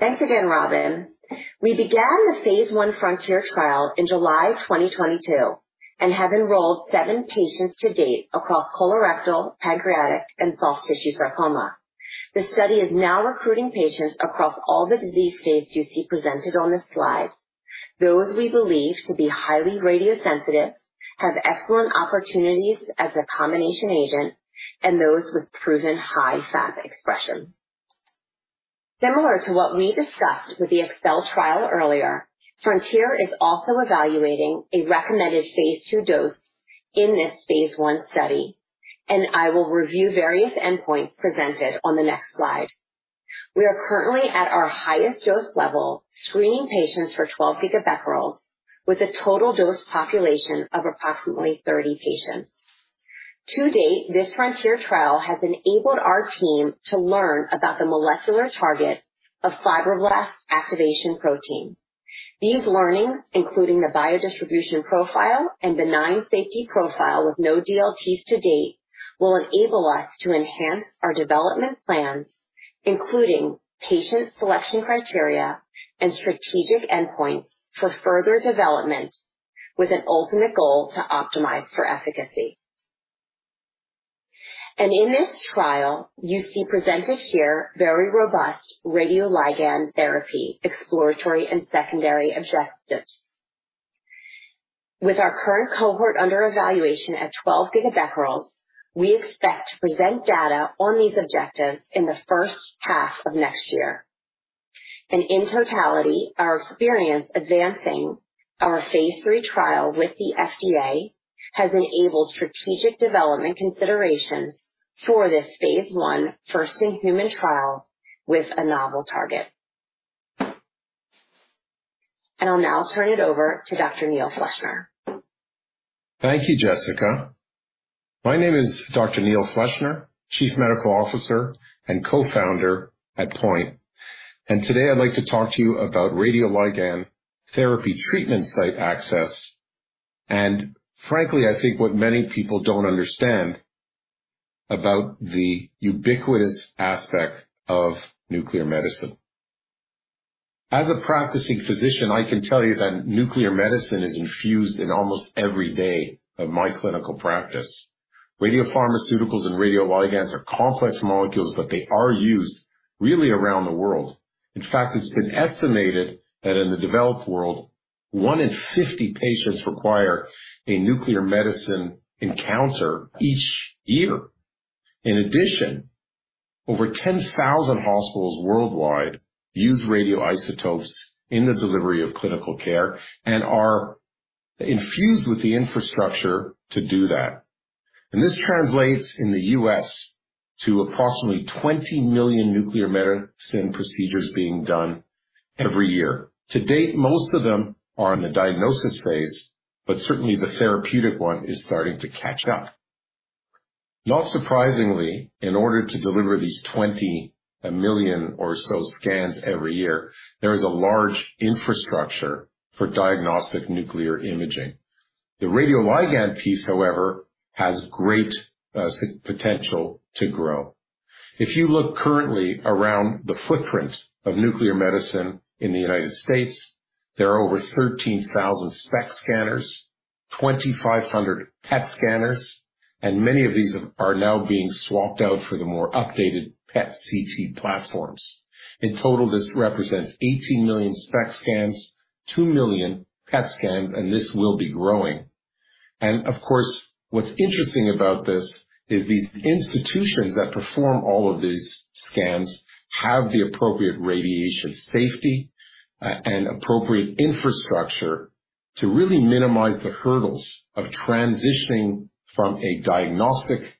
Thanks again, Robin. We began the phase I Frontier trial in July 2022 and have enrolled seven patients to date across colorectal, pancreatic, and soft tissue sarcoma. The study is now recruiting patients across all the disease states you see presented on this slide. Those we believe to be highly radiosensitive, have excellent opportunities as a combination agent, and those with proven high FAP expression. Similar to what we discussed with the ACCEL trial earlier, Frontier is also evaluating a recommended phase II dose in this phase I study. I will review various endpoints presented on the next slide. We are currently at our highest dose level, screening patients for 12 GBq, with a total dose population of approximately 30 patients. To date, this Frontier trial has enabled our team to learn about the molecular target of Fibroblast Activation Protein. These learnings, including the biodistribution profile and benign safety profile with no DLTs to date, will enable us to enhance our development plans, including patient selection criteria and strategic endpoints for further development, with an ultimate goal to optimize for efficacy. In this trial, you see presented here very robust radioligand therapy, exploratory and secondary objectives. With our current cohort under evaluation at 12GBq, we expect to present data on these objectives in the first half of next year. In totality, our experience advancing our phase III trial with the FDA has enabled strategic development considerations for this phase I first-in-human trial with a novel target. I'll now turn it over to Dr. Neil Fleshner. Thank you, Jessica. My name is Dr. Neil Fleshner, Chief Medical Officer and Co-founder at POINT, today I'd like to talk to you about radioligand therapy treatment site access, and frankly, I think what many people don't understand about the ubiquitous aspect of nuclear medicine. As a practicing physician, I can tell you that nuclear medicine is infused in almost every day of my clinical practice. Radiopharmaceuticals and radioligands are complex molecules, but they are used really around the world. In fact, it's been estimated that in the developed world, one in 50 patients require a nuclear medicine encounter each year. In addition, over 10,000 hospitals worldwide use radioisotopes in the delivery of clinical care and are infused with the infrastructure to do that. This translates in the U.S. to approximately 20 million nuclear medicine procedures being done every year. To date, most of them are in the diagnosis phase, certainly, the therapeutic one is starting to catch up. Not surprisingly, in order to deliver these 20 million or so scans every year, there is a large infrastructure for diagnostic nuclear imaging. The radioligand piece, however, has great potential to grow. If you look currently around the footprint of nuclear medicine in the United States, there are over 13,000 SPECT scanners, 2,500 PET scanners, and many of these are now being swapped out for the more updated PET/CT platforms. In total, this represents 18 million SPECT scans, 2 million PET scans, and this will be growing. Of course, what's interesting about this is these institutions that perform all of these scans have the appropriate radiation safety and appropriate infrastructure to really minimize the hurdles of transitioning from a diagnostic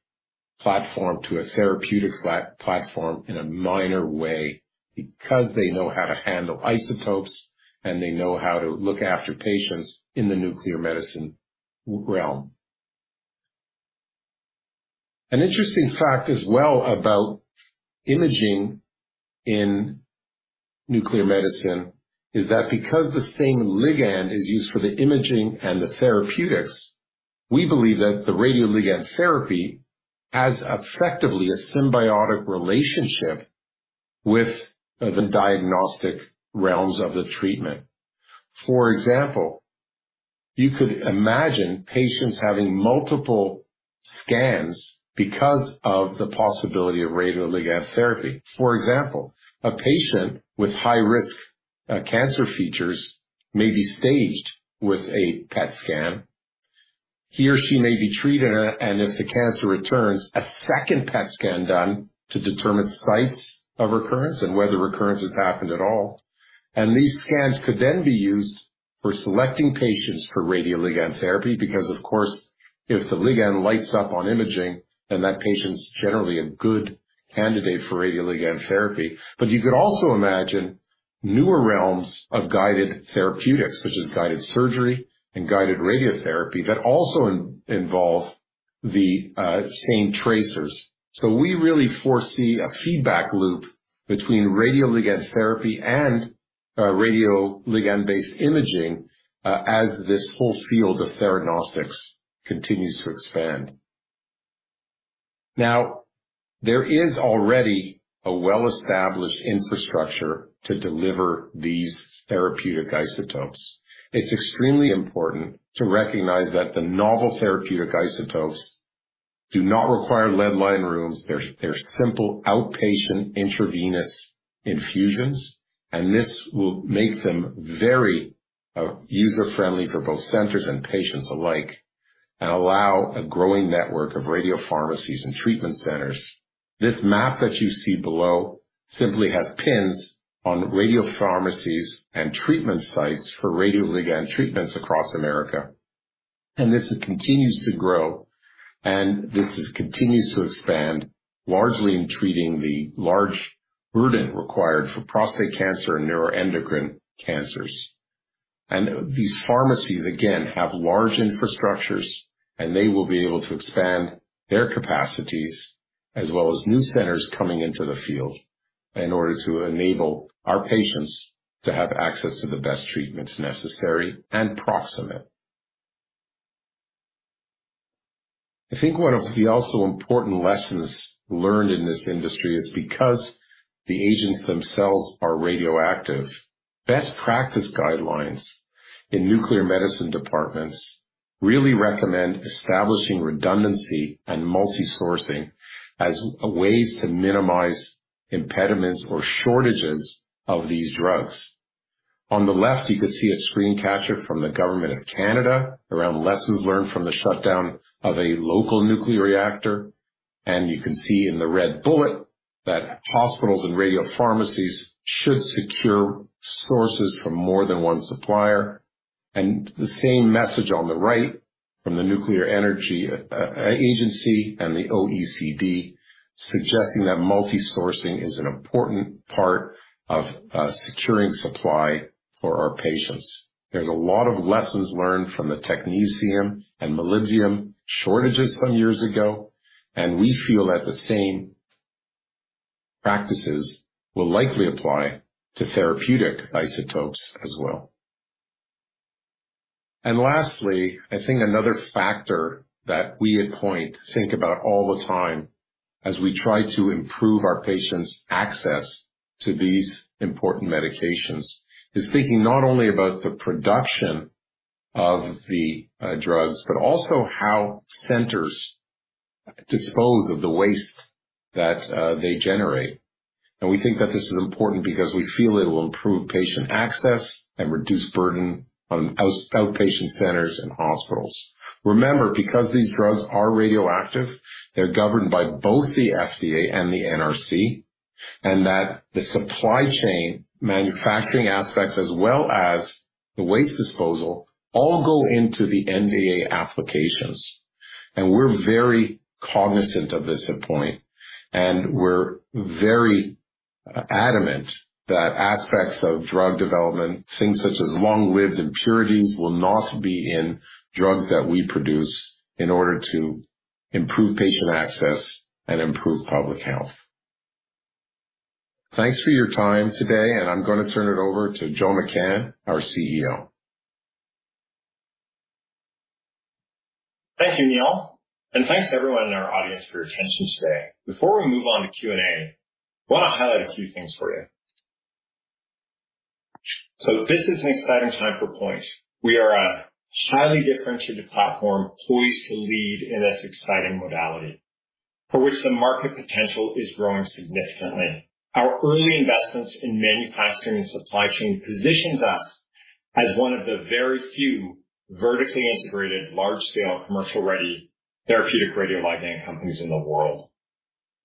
platform. To a therapeutic platform in a minor way, because they know how to handle isotopes, and they know how to look after patients in the nuclear medicine realm. An interesting fact as well about imaging in nuclear medicine is that because the same ligand is used for the imaging and the therapeutics, we believe that the radioligand therapy has effectively a symbiotic relationship with the diagnostic realms of the treatment. For example, you could imagine patients having multiple scans because of the possibility of radioligand therapy. For example, a patient with high risk cancer features may be staged with a PET scan. He or she may be treated, and if the cancer returns, a second PET scan done to determine sites of recurrence and whether recurrence has happened at all. These scans could then be used for selecting patients for radioligand therapy, because, of course, if the ligand lights up on imaging, then that patient's generally a good candidate for radioligand therapy. You could also imagine newer realms of guided therapeutics, such as guided surgery and guided radiotherapy, that also involve the same tracers. We really foresee a feedback loop between radioligand therapy and radioligand-based imaging as this whole field of theranostics continues to expand. There is already a well-established infrastructure to deliver these therapeutic isotopes. It's extremely important to recognize that the novel therapeutic isotopes do not require lead line rooms. They're simple, outpatient, intravenous infusions, and this will make them very user-friendly for both centers and patients alike, and allow a growing network of radio pharmacies and treatment centers. This map that you see below simply has pins on radiopharmacies and treatment sites for radioligand treatments across America, this continues to grow, and this continues to expand, largely in treating the large burden required for prostate cancer and neuroendocrine cancers. These pharmacies, again, have large infrastructures, and they will be able to expand their capacities, as well as new centers coming into the field, in order to enable our patients to have access to the best treatments necessary and proximate. I think one of the also important lessons learned in this industry is because the agents themselves are radioactive, best practice guidelines in nuclear medicine departments really recommend establishing redundancy and multi-sourcing as ways to minimize impediments or shortages of these drugs. On the left, you can see a screen capture from the government of Canada around lessons learned from the shutdown of a local nuclear reactor. You can see in the red bullet that hospitals and radio pharmacies should secure sources from more than one supplier. The same message on the right from the Nuclear Energy Agency and the OECD, suggesting that multi-sourcing is an important part of securing supply for our patients. There's a lot of lessons learned from the technetium and molybdenum shortages some years ago. We feel that the same practices will likely apply to therapeutic isotopes as well. Lastly, I think another factor that we at POINT think about all the time as we try to improve our patients' access to these important medications, is thinking not only about the production of the drugs, but also how centers dispose of the waste that they generate. We think that this is important because we feel it'll improve patient access and reduce burden on outpatient centers and hospitals. Remember, because these drugs are radioactive, they're governed by both the FDA and the NRC, and that the supply chain manufacturing aspects, as well as the waste disposal, all go into the NDA applications. We're very cognizant of this at POINT, and we're very adamant that aspects of drug development, things such as long-lived impurities, will not be in drugs that we produce, in order to improve patient access and improve public health. Thanks for your time today, and I'm going to turn it over to Joe McCann, our CEO. Thank you, Neil, and thanks to everyone in our audience for your attention today. Before we move on to Q&A, I want to highlight a few things for you. This is an exciting time for POINT. We are a highly differentiated platform, poised to lead in this exciting modality, for which the market potential is growing significantly. Our early investments in manufacturing and supply chain positions us as one of the very few vertically integrated, large-scale, commercial-ready therapeutic radioligand companies in the world.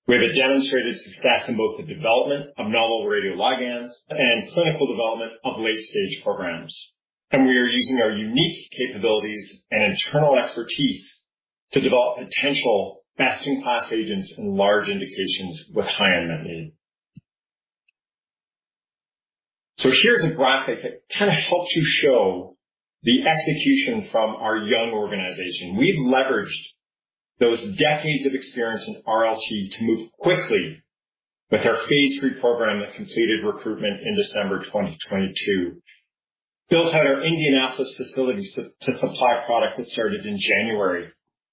We have a demonstrated success in both the development of novel radioligands and clinical development of late-stage programs. We are using our unique capabilities and internal expertise to develop potential best-in-class agents in large indications with high unmet need. Here's a graphic that kind of helps you show the execution from our young organization. We've leveraged those decades of experience in RLT to move quickly with our phase III program that completed recruitment in December 2022. Built out our Indianapolis facility to supply product that started in January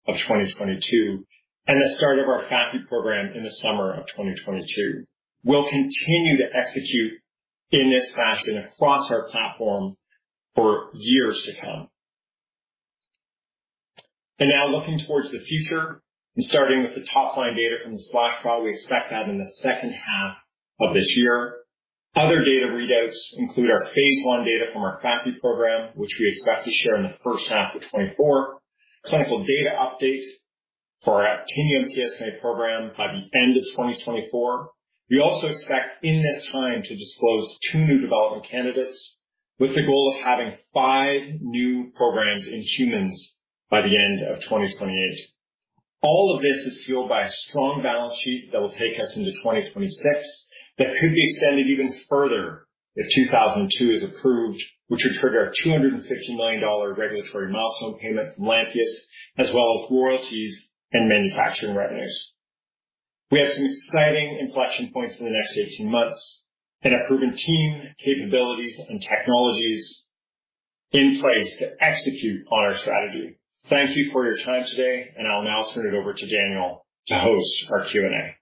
of 2022, and the start of our FAPI program in the summer of 2022. We'll continue to execute in this fashion across our platform for years to come. Now, looking towards the future, and starting with the top line data from the SPLASH trial, we expect that in the second half of this year. Other data readouts include our phase I data from our FAPI program, which we expect to share in the first half of 2024. Clinical data update for our actinium PSMA program by the end of 2024. We also expect in this time to disclose two new development candidates, with the goal of having five new programs in humans by the end of 2028. All of this is fueled by a strong balance sheet that will take us into 2026, that could be extended even further if PNT2002 is approved, which would trigger our $250 million regulatory milestone payment from Lantheus, as well as royalties and manufacturing revenues. We have some exciting inflection POINTs in the next 18 months and a proven team, capabilities, and technologies in place to execute on our strategy. Thank you for your time today. I'll now turn it over to Daniel to host our Q&A.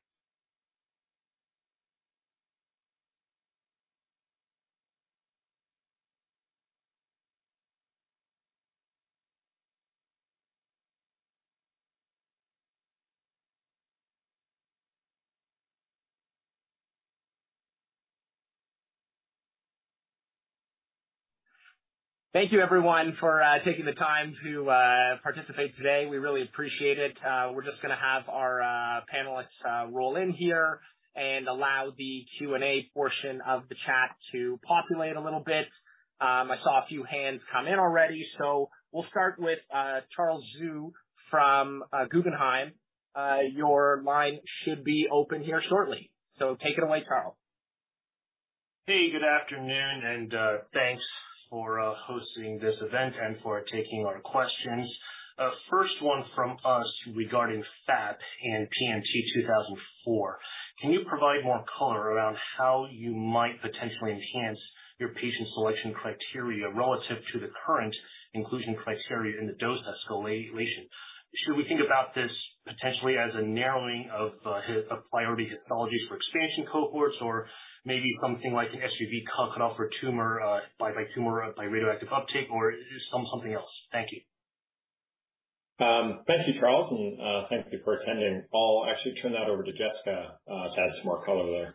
Thank you everyone, for taking the time to participate today. We really appreciate it. We're just gonna have our panelists roll in here and allow the Q&A portion of the chat to populate a little bit. I saw a few hands come in already, so we'll start with Charles Zhu from Guggenheim. Your line should be open here shortly, so take it away, Charles. Good afternoon, and thanks for hosting this event and for taking our questions. First one from us regarding FAP and PNT2004. Can you provide more color around how you might potentially enhance your patient selection criteria relative to the current inclusion criteria in the dose escalation? Should we think about this potentially as a narrowing of a priority histologies for expansion cohorts, or maybe something like an SUV cutoff for tumor, by tumor, by radioactive uptake, or something else? Thank you. Thank you, Charles, and, thank you for attending. I'll actually turn that over to Jessica, to add some more color there.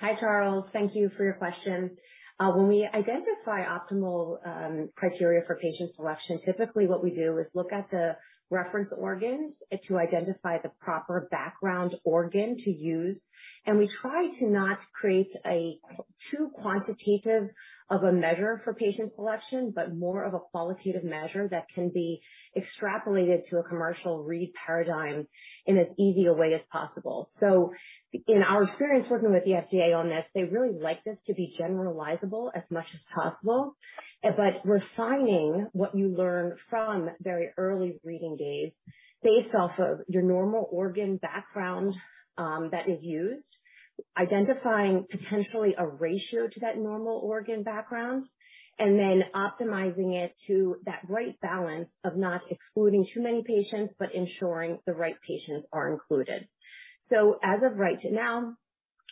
Hi, Charles. Thank you for your question. When we identify optimal criteria for patient selection, typically what we do is look at the reference organs to identify the proper background organ to use, and we try to not create a too quantitative of a measure for patient selection, but more of a qualitative measure that can be extrapolated to a commercial read paradigm in as easy a way as possible. In our experience working with the FDA on this, they really like this to be generalizable as much as possible, but refining what you learn from very early reading days based off of your normal organ background, that is used, identifying potentially a ratio to that normal organ background, and then optimizing it to that right balance of not excluding too many patients, but ensuring the right patients are included. As of right now,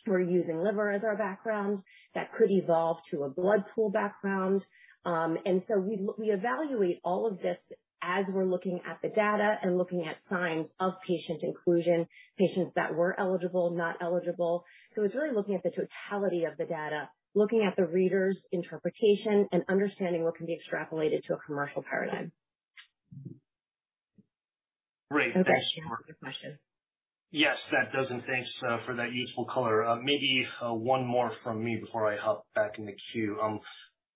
we're using liver as our background. That could evolve to a blood pool background. We evaluate all of this as we're looking at the data and looking at signs of patient inclusion, patients that were eligible, not eligible. It's really looking at the totality of the data, looking at the reader's interpretation, and understanding what can be extrapolated to a commercial paradigm. Great. Thanks for your question. Yes, that does, and thanks for that useful color. Maybe one more from me before I hop back in the queue.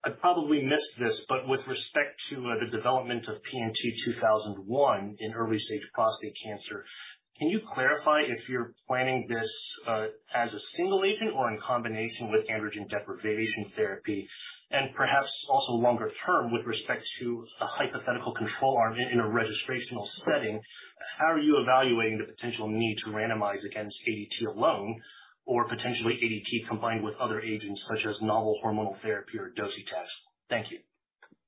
I probably missed this, but with respect to the development of PNT2001 in early stage prostate cancer, can you clarify if you're planning this as a single agent or in combination with androgen deprivation therapy? Perhaps also longer term, with respect to a hypothetical control arm in a registrational setting, how are you evaluating the potential need to randomize against ADT alone or potentially ADT combined with other agents, such as novel hormonal therapy or docetaxel? Thank you.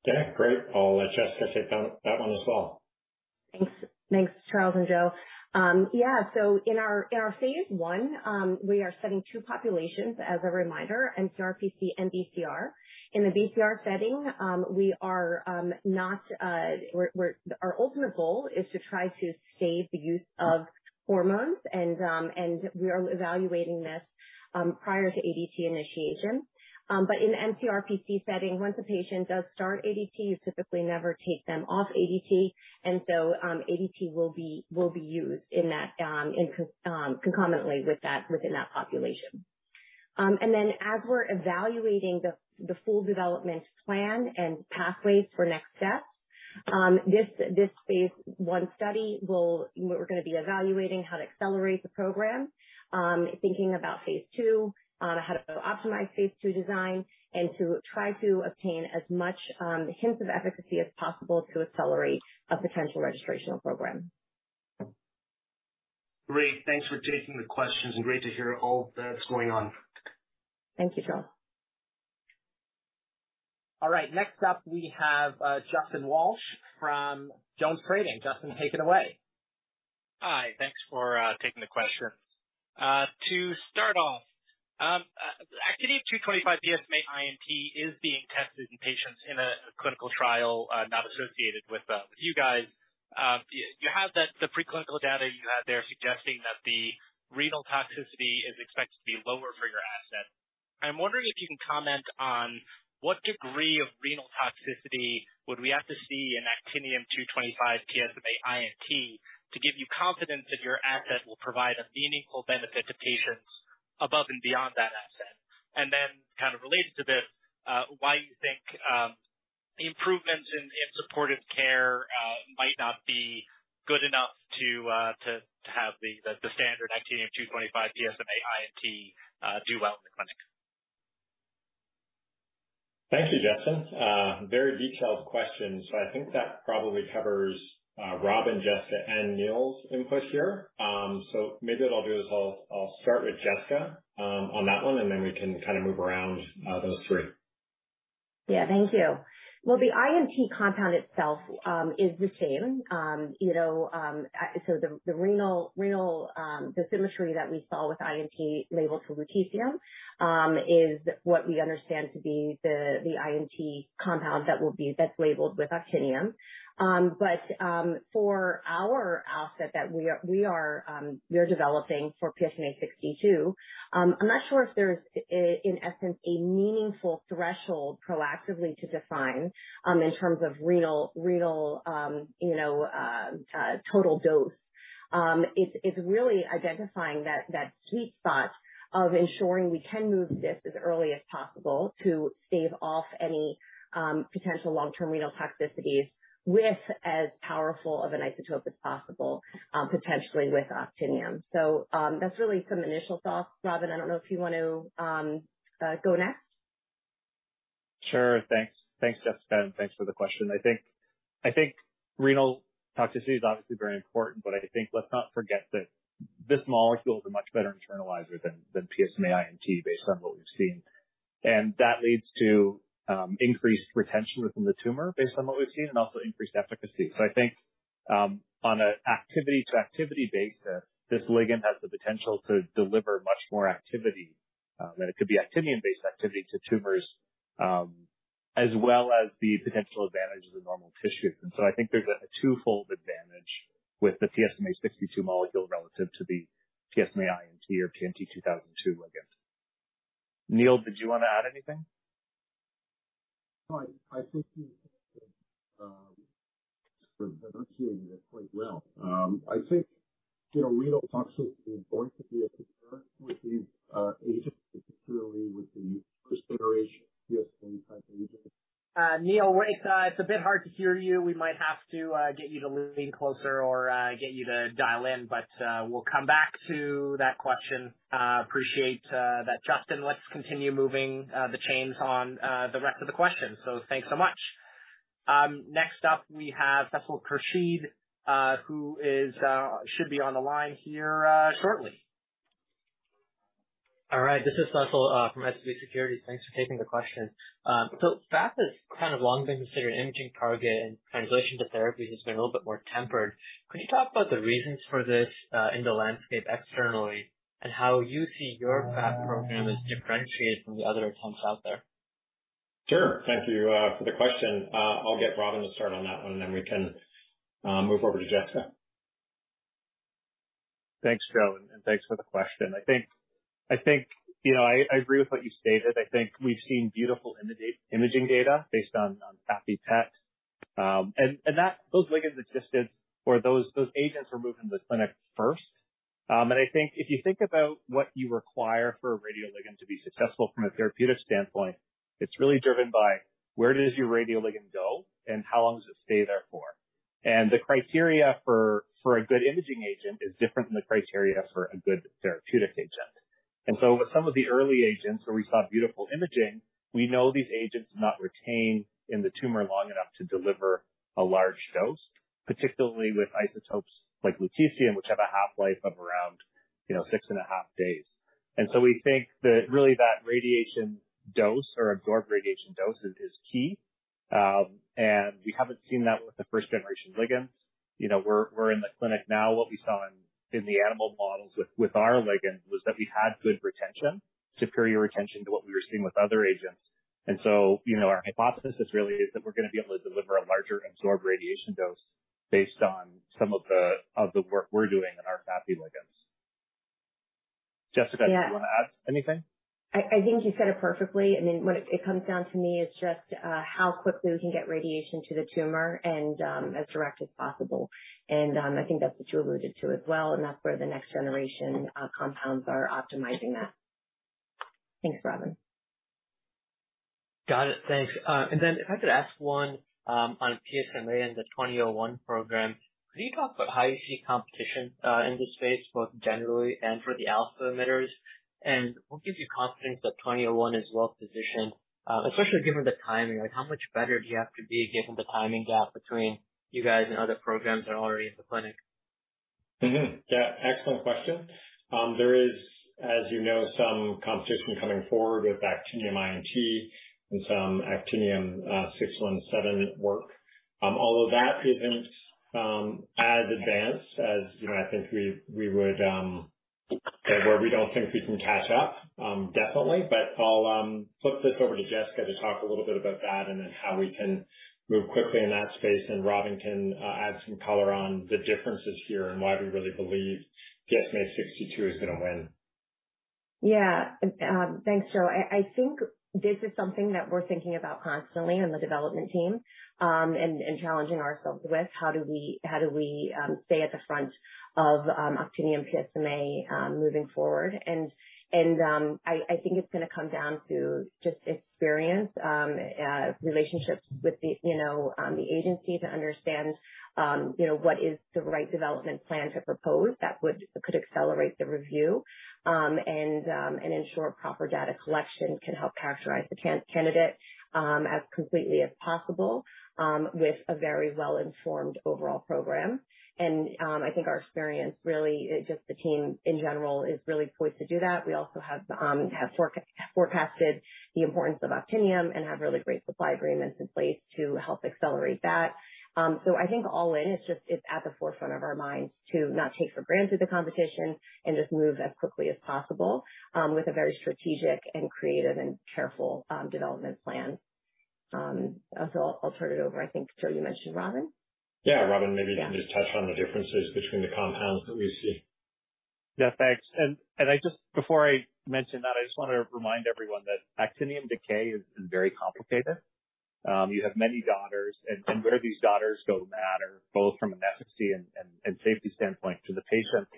Yeah, great. I'll let Jessica take that one as well. Thanks. Thanks, Charles and Joe. In our, in our phase one, we are studying two populations, as a reminder, mCRPC and BCR. In the BCR setting, our ultimate goal is to try to stave the use of hormones, and we are evaluating this prior to ADT initiation. In mCRPC setting, once a patient does start ADT, you typically never take them off ADT. ADT will be used in that, in concomitantly with that, within that population. As we're evaluating the full development plan and pathways for next steps, this phase I study will be evaluating how to accelerate the program. Thinking about phase II, on how to optimize phase II design, and to try to obtain as much hints of efficacy as possible to accelerate a potential registrational program. Great. Thanks for taking the questions, and great to hear all that's going on. Thank you, Charles. All right, next up, we have Justin Walsh from Jones Trading. Justin, take it away. Hi. Thanks for taking the questions. To start off, Actinium-225 PSMA I&T is being tested in patients in a clinical trial not associated with you guys. You have the preclinical data you had there suggesting that the renal toxicity is expected to be lower for your asset. I'm wondering if you can comment on what degree of renal toxicity would we have to see in actinium-225 PSMA I&T to give you confidence that your asset will provide a meaningful benefit to patients above and beyond that asset? Then, kind of related to this, why you think improvements in supportive care might not be good enough to have the standard Actinium-225 PSMA I&T do well in the clinic? Thank you, Justin. Very detailed question. I think that probably covers Robin, Jessica, and Neil's input here. Maybe what I'll do is I'll start with Jessica on that one, and then we can kind of move around those three. Yeah. Thank you. The I&T compound itself is the same. You know, the renal dosimetry that we saw with I&T labeled for lutetium is what we understand to be the I&T compound that's labeled with actinium. For our asset that we are developing for PSMA-62, I'm not sure if there's in essence a meaningful threshold proactively to define in terms of renal, you know, total dose. It's really identifying that sweet spot of ensuring we can move this as early as possible to stave off any potential long-term renal toxicities with as powerful of an isotope as possible, potentially with actinium. That's really some initial thoughts. Robin, I don't know if you want to, go next. Sure. Thanks, Jessica, and thanks for the question. I think renal toxicity is obviously very important, I think let's not forget that this molecule is a much better internalizer than PSMA I&T, based on what we've seen. That leads to increased retention within the tumor, based on what we've seen, and also increased efficacy. I think on an activity-to-activity basis, this ligand has the potential to deliver much more activity than it could be actinium-based activity to tumors, as well as the potential advantages of normal tissues. I think there's a twofold advantage with the PSMA-62 molecule relative to the PSMA I&T or PNT2002 ligand. Neil, did you want to add anything? I think you summarizing it quite well. I think, you know, renal toxicity is going to be a concern with these agents, particularly with the first generation PSMA-type agents. Neil, wait, it's a bit hard to hear you. We might have to get you to lean in closer or get you to dial in, but we'll come back to that question. Appreciate that, Justin. Let's continue moving the chains on the rest of the questions. Thanks so much. Next up, we have Faisal Khurshid, who should be on the line here, shortly. All right, this is Faisal from SVB Securities. Thanks for taking the question. FAP is kind of long been considered an imaging target, and translation to therapies has been a little bit more tempered. Can you talk about the reasons for this in the landscape externally, and how you see your FAP program as differentiated from the other attempts out there? Sure. Thank you, for the question. I'll get Robin to start on that one, and then we can, move over to Jessica. Thanks, Joe, and thanks for the question. I think, you know, I agree with what you stated. I think we've seen beautiful imaging data based on FAPI PET, and that those ligands existed or those agents were moved into the clinic first. I think if you think about what you require for a radioligand to be successful from a therapeutic standpoint, it's really driven by: where does your radioligand go, and how long does it stay there for? The criteria for a good imaging agent is different than the criteria for a good therapeutic agent. With some of the early agents, where we saw beautiful imaging, we know these agents do not retain in the tumor long enough to deliver a large dose, particularly with isotopes like lutetium, which have a half-life of around, you know, six and a half days. We think that really, that radiation dose or absorbed radiation dosage is key, and we haven't seen that with the 1st generation ligands. You know, we're in the clinic now. What we saw in the animal models with our ligand was that we had good retention, superior retention to what we were seeing with other agents. You know, our hypothesis is really is that we're gonna be able to deliver a larger absorbed radiation dose based on some of the work we're doing in our FAPI ligands. Yeah. Do you want to add anything? I think you said it perfectly. I mean, what it comes down to me is just how quickly we can get radiation to the tumor and as direct as possible. I think that's what you alluded to as well, and that's where the next generation compounds are optimizing that. Thanks, Robin. Got it. Thanks. If I could ask one, on PSMA in the PNT2001 program, could you talk about how you see competition in this space, both generally and for the alpha emitters? What gives you confidence that PNT2001 is well positioned, especially given the timing? Like, how much better do you have to be given the timing gap between you guys and other programs that are already in the clinic? Yeah, excellent question. There is, as you know, some competition coming forward with actinium I&T and some Actinium-617 work. Although that isn't as advanced as, you know, I think we would, where we don't think we can catch up, definitely. I'll flip this over to Jessica to talk a little bit about that, and then how we can move quickly in that space, and Robin can add some color on the differences here and why we really believe PSMA-62 is going to win. Yeah. Thanks, Joe. I think this is something that we're thinking about constantly on the development team, and challenging ourselves with. How do we stay at the front of actinium PSMA moving forward? I think it's going to come down to just experience, relationships with the, you know, the agency to understand, you know, what is the right development plan to propose that could accelerate the review. And ensure proper data collection can help characterize the candidate as completely as possible, with a very well-informed overall program. I think our experience really, just the team in general, is really poised to do that. We also have forecasted the importance of actinium and have really great supply agreements in place to help accelerate that. I think all in, it's just, it's at the forefront of our minds to not take for granted the competition and just move as quickly as possible, with a very strategic and creative and careful development plan. I'll turn it over. I think, Joe, you mentioned Robin? Yeah, Robin, maybe. Yeah. You can just touch on the differences between the compounds that we see. Yeah, thanks. Before I mention that, I just want to remind everyone that actinium decay is very complicated. You have many daughters, where these daughters go matter, both from an efficacy and safety standpoint to the patient.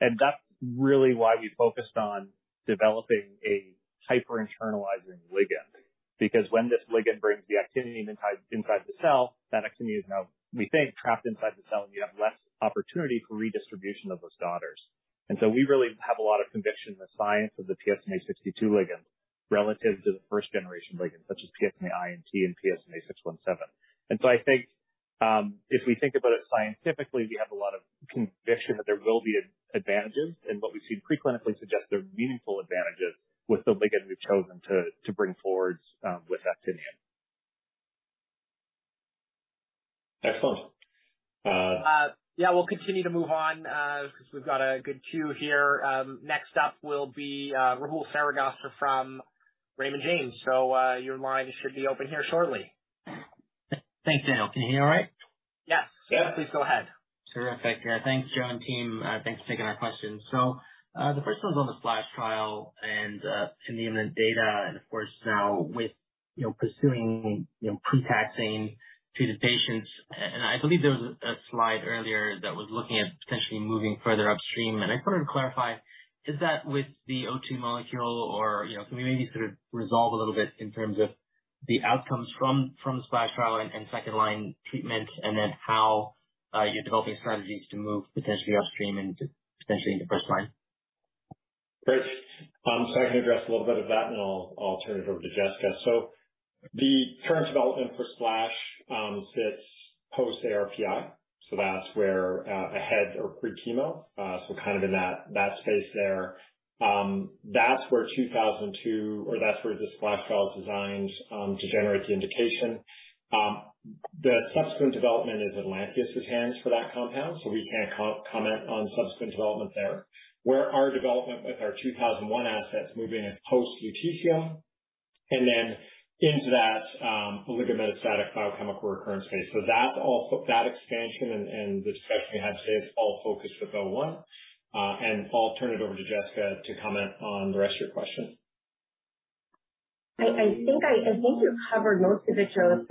That's really why we focused on developing a hyper-internalizing ligand, because when this ligand brings the actinium inside the cell, that actinium is now, we think, trapped inside the cell, and you have less opportunity for redistribution of those daughters. We really have a lot of conviction in the science of the PSMA sixty-two ligand relative to the first generation ligand, such as PSMA I&T and PSMA-617. I think, if we think about it scientifically, we have a lot of conviction that there will be advantages, and what we've seen pre-clinically suggests there are meaningful advantages with the ligand we've chosen to bring forward with actinium. Excellent. Yeah, we'll continue to move on, because we've got a good queue here. Next up will be, Rahul Sarugaser from Raymond James. Your line should be open here shortly. Thanks, Daniel. Can you hear me all right? Yes. Yes, please go ahead. Terrific. Thanks, Joe, and team. Thanks for taking our questions. The first one's on the SPLASH trial and actinium data and of course, now with, you know, pursuing, you know, pre-taxane treated patients. I believe there was a slide earlier that was looking at potentially moving further upstream, and I just wanted to clarify, is that with the PNT2002 molecule or, you know, can we maybe sort of resolve a little bit in terms of the outcomes from the SPLASH trial and second line treatment, and then how, you're developing strategies to move potentially upstream and potentially into first line? Great. I can address a little bit of that, and I'll turn it over to Jessica. The current development for SPLASH sits post ARPI, that's where ahead or pre chemo, kind of in that space there. That's where the SPLASH trial is designed to generate the indication. The subsequent development is in Lantheus' hands for that compound, so we can't co-comment on subsequent development there. Where our development with our 2001 assets move in is post lutetium and then into that oligometastatic biochemical recurrence space. That's all, that expansion and the discussion we had today is all focused with L1. I'll turn it over to Jessica to comment on the rest of your question. I think you covered most of it, Joe.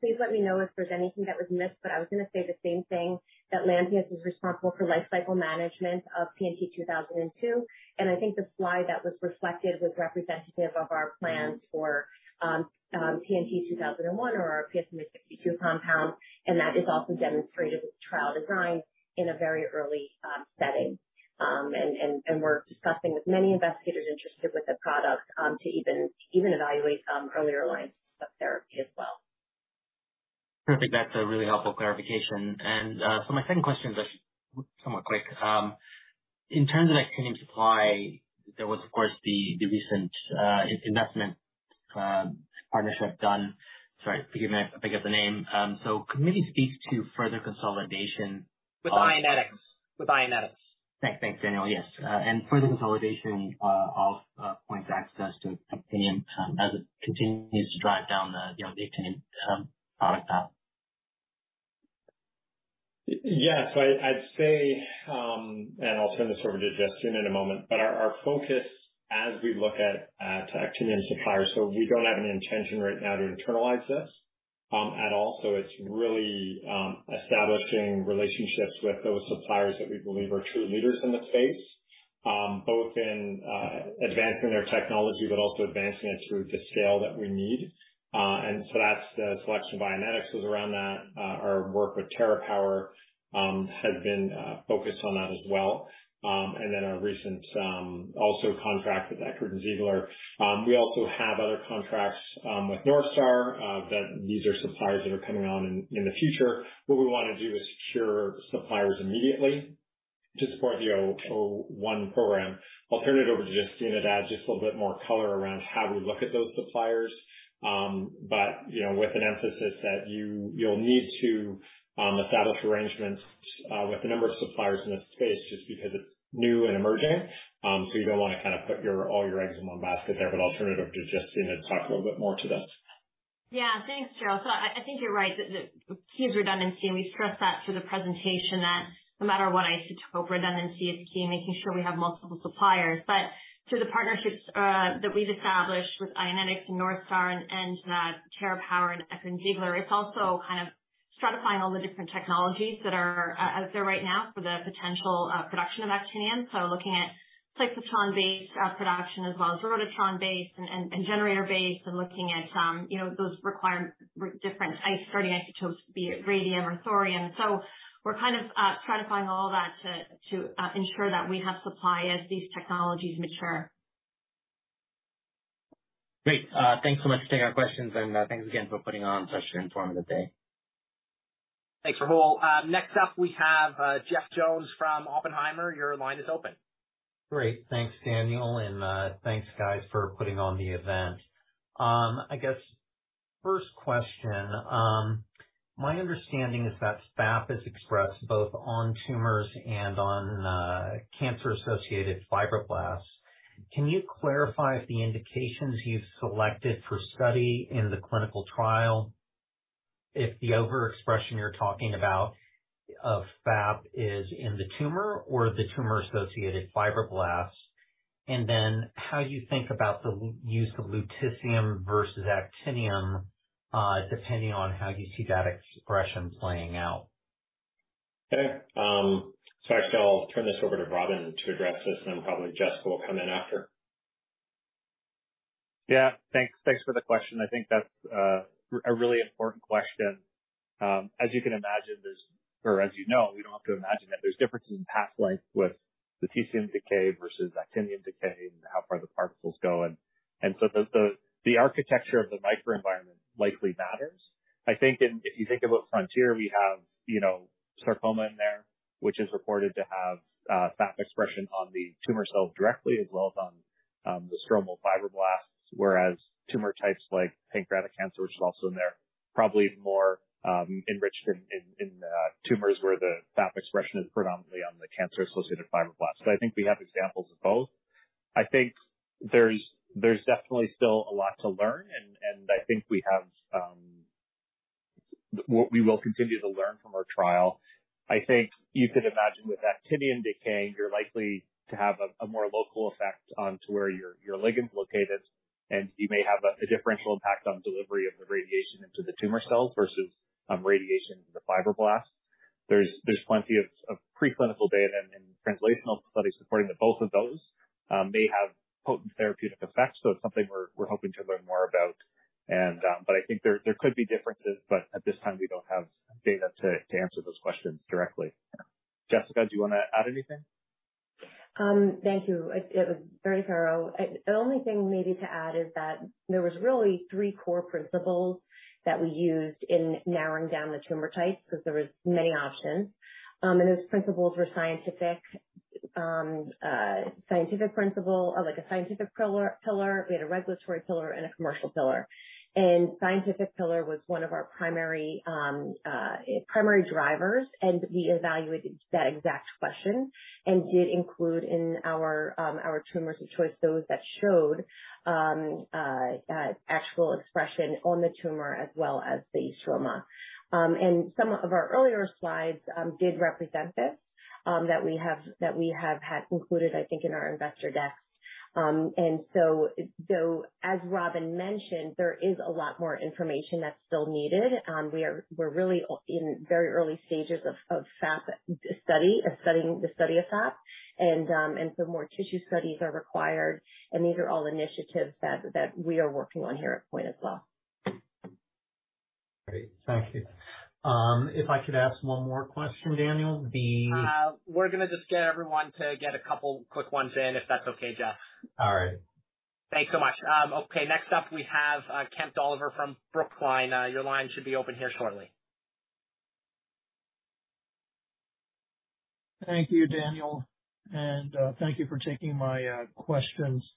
Please let me know if there's anything that was missed. I was going to say the same thing, that Lantheus is responsible for lifecycle management of PNT2002, and I think the slide that was reflected was representative of our plans for PNT2001 or our PSMA-62 compound, and that is also demonstrated with the trial design in a very early setting. And we're discussing with many investigators interested with the product to even evaluate earlier lines of therapy as well. Perfect. That's a really helpful clarification. My second question is somewhat quick. In terms of actinium supply, there was, of course, the recent investment partnership done. Sorry, forgive me I forget the name. Can we speak to further consolidation. With IONETIX. Thanks. Thanks, Daniel. Yes, further consolidation of POINTs of access to actinium as it continues to drive down the, you know, the actinium product path. Yes, I'd say, and I'll turn this over to Justyna in a moment, but our focus as we look at to actinium suppliers, we don't have an intention right now to internalize this. At all. It's really establishing relationships with those suppliers that we believe are true leaders in the space, both in advancing their technology, but also advancing it to the scale that we need. That's the selection of IONETIX was around that. Our work with TerraPower has been focused on that as well. Our recent also contract with Eckert & Ziegler. We also have other contracts with NorthStar that these are suppliers that are coming on in the future. What we want to do is secure suppliers immediately to support the One program. I'll turn it over to Jessica to add just a little bit more color around how we look at those suppliers. You know, with an emphasis that you'll need to establish arrangements with a number of suppliers in this space just because it's new and emerging. You don't want to kind of put your, all your eggs in one basket there, but I'll turn it over to Justyna to talk a little bit more to this. Yeah, thanks, Gerald. I think you're right, that the key is redundancy, and we stressed that through the presentation that no matter what isotope, redundancy is key, making sure we have multiple suppliers. Through the partnerships that we've established with IONETIX and NorthStar and TerraPower and Eckert & Ziegler, it's also kind of stratifying all the different technologies that are out there right now for the potential production of actinium. Looking at cyclotron-based production as well as DOTATATE-based and generator-based, and looking at, you know, those different isotope, starting isotopes, be it radium or thorium. We're kind of stratifying all that to ensure that we have supply as these technologies mature. Great. Thanks so much for taking our questions, and thanks again for putting on such an informative day. Thanks, Rahul. Next up, we have Jeff Jones from Oppenheimer. Your line is open. Great. Thanks, Daniel, and thanks, guys, for putting on the event. I guess first question, my understanding is that FAP is expressed both on tumors and on cancer-associated fibroblasts. Can you clarify if the indications you've selected for study in the clinical trial, if the overexpression you're talking about of FAP is in the tumor or the tumor-associated fibroblasts? How you think about the use of lutetium versus actinium, depending on how you see that expression playing out? Okay. Actually I'll turn this over to Robin to address this, probably Jessica will come in after. Yeah. Thanks. Thanks for the question. I think that's a really important question. As you can imagine, there's or as you know, we don't have to imagine that there's differences in pathway with lutetium decay versus actinium decay and how far the particles go, and so the architecture of the microenvironment likely matters. I think in, if you think about Frontier, we have, you know, sarcoma in there, which is reported to have FAP expression on the tumor cells directly as well as on the stromal fibroblasts, whereas tumor types like pancreatic cancer, which is also in there, probably more enriched in tumors where the FAP expression is predominantly on the cancer-associated fibroblasts. I think we have examples of both. I think there's definitely still a lot to learn, and I think we will continue to learn from our trial. I think you could imagine with actinium decay, you're likely to have a more local effect onto where your ligand's located, and you may have a differential impact on delivery of the radiation into the tumor cells versus radiation into the fibroblasts. There's plenty of preclinical data and translational studies supporting that both of those may have potent therapeutic effects. It's something we're hoping to learn more about. I think there could be differences, but at this time, we don't have data to answer those questions directly. Jessica, do you wanna add anything? Thank you. It was very thorough. The only thing maybe to add is that there was really three core principles that we used in narrowing down the tumor types, because there was many options. Those principles were scientific principle, or like a scientific pillar. We had a regulatory pillar and a commercial pillar. Scientific pillar was one of our primary drivers, and we evaluated that exact question and did include in our tumors of choice, those that showed actual expression on the tumor as well as the stroma. Some of our earlier slides did represent this that we have had included, I think, in our investor decks. Though, as Robin mentioned, there is a lot more information that's still needed. We're really in very early stages of FAP study, of studying the study of FAP, and so more tissue studies are required, and these are all initiatives that we are working on here at POINT as well. Great. Thank you. If I could ask one more question, Daniel. We're gonna just get everyone to get a couple quick ones in, if that's okay, Jeff. All right. Thanks so much. Okay. Next up, we have, Kemp Dolliver from Brookline. Your line should be open here shortly. Thank you, Daniel, thank you for taking my questions.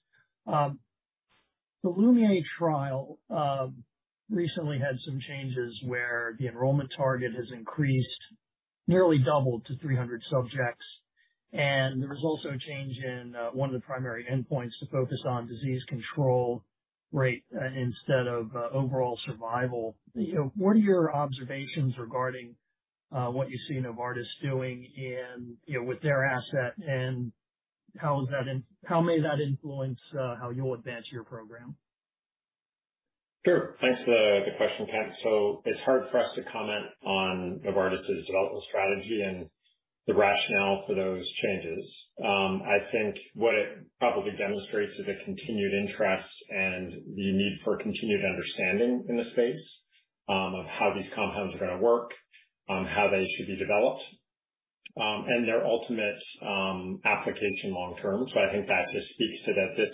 The LuMIERE trial recently had some changes where the enrollment target has increased, nearly doubled to 300 subjects, and there was also a change in one of the primary endpoints to focus on disease control rate instead of overall survival. You know, what are your observations regarding what you see Novartis doing in, you know, with their asset? How may that influence how you'll advance your program? Sure. Thanks for the question, Ken. It's hard for us to comment on Novartis's developmental strategy and the rationale for those changes. I think what it probably demonstrates is a continued interest and the need for continued understanding in the space, of how these compounds are going to work, how they should be developed, and their ultimate application long term. I think that just speaks to that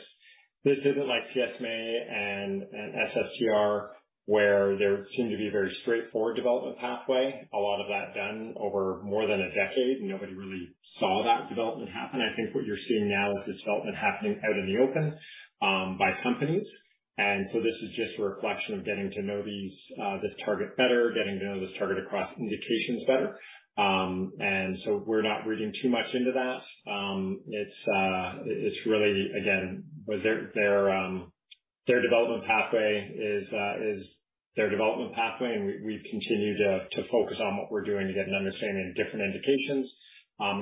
this isn't like PSMA and SSTR, where there seemed to be a very straightforward development pathway, a lot of that done over more than a decade, and nobody really saw that development happen. I think what you're seeing now is development happening out in the open, by companies. This is just a reflection of getting to know these, this target better, getting to know this target across indications better. We're not reading too much into that. It's really, again, their development pathway is their development pathway, and we've continued to focus on what we're doing to get an understanding of different indications,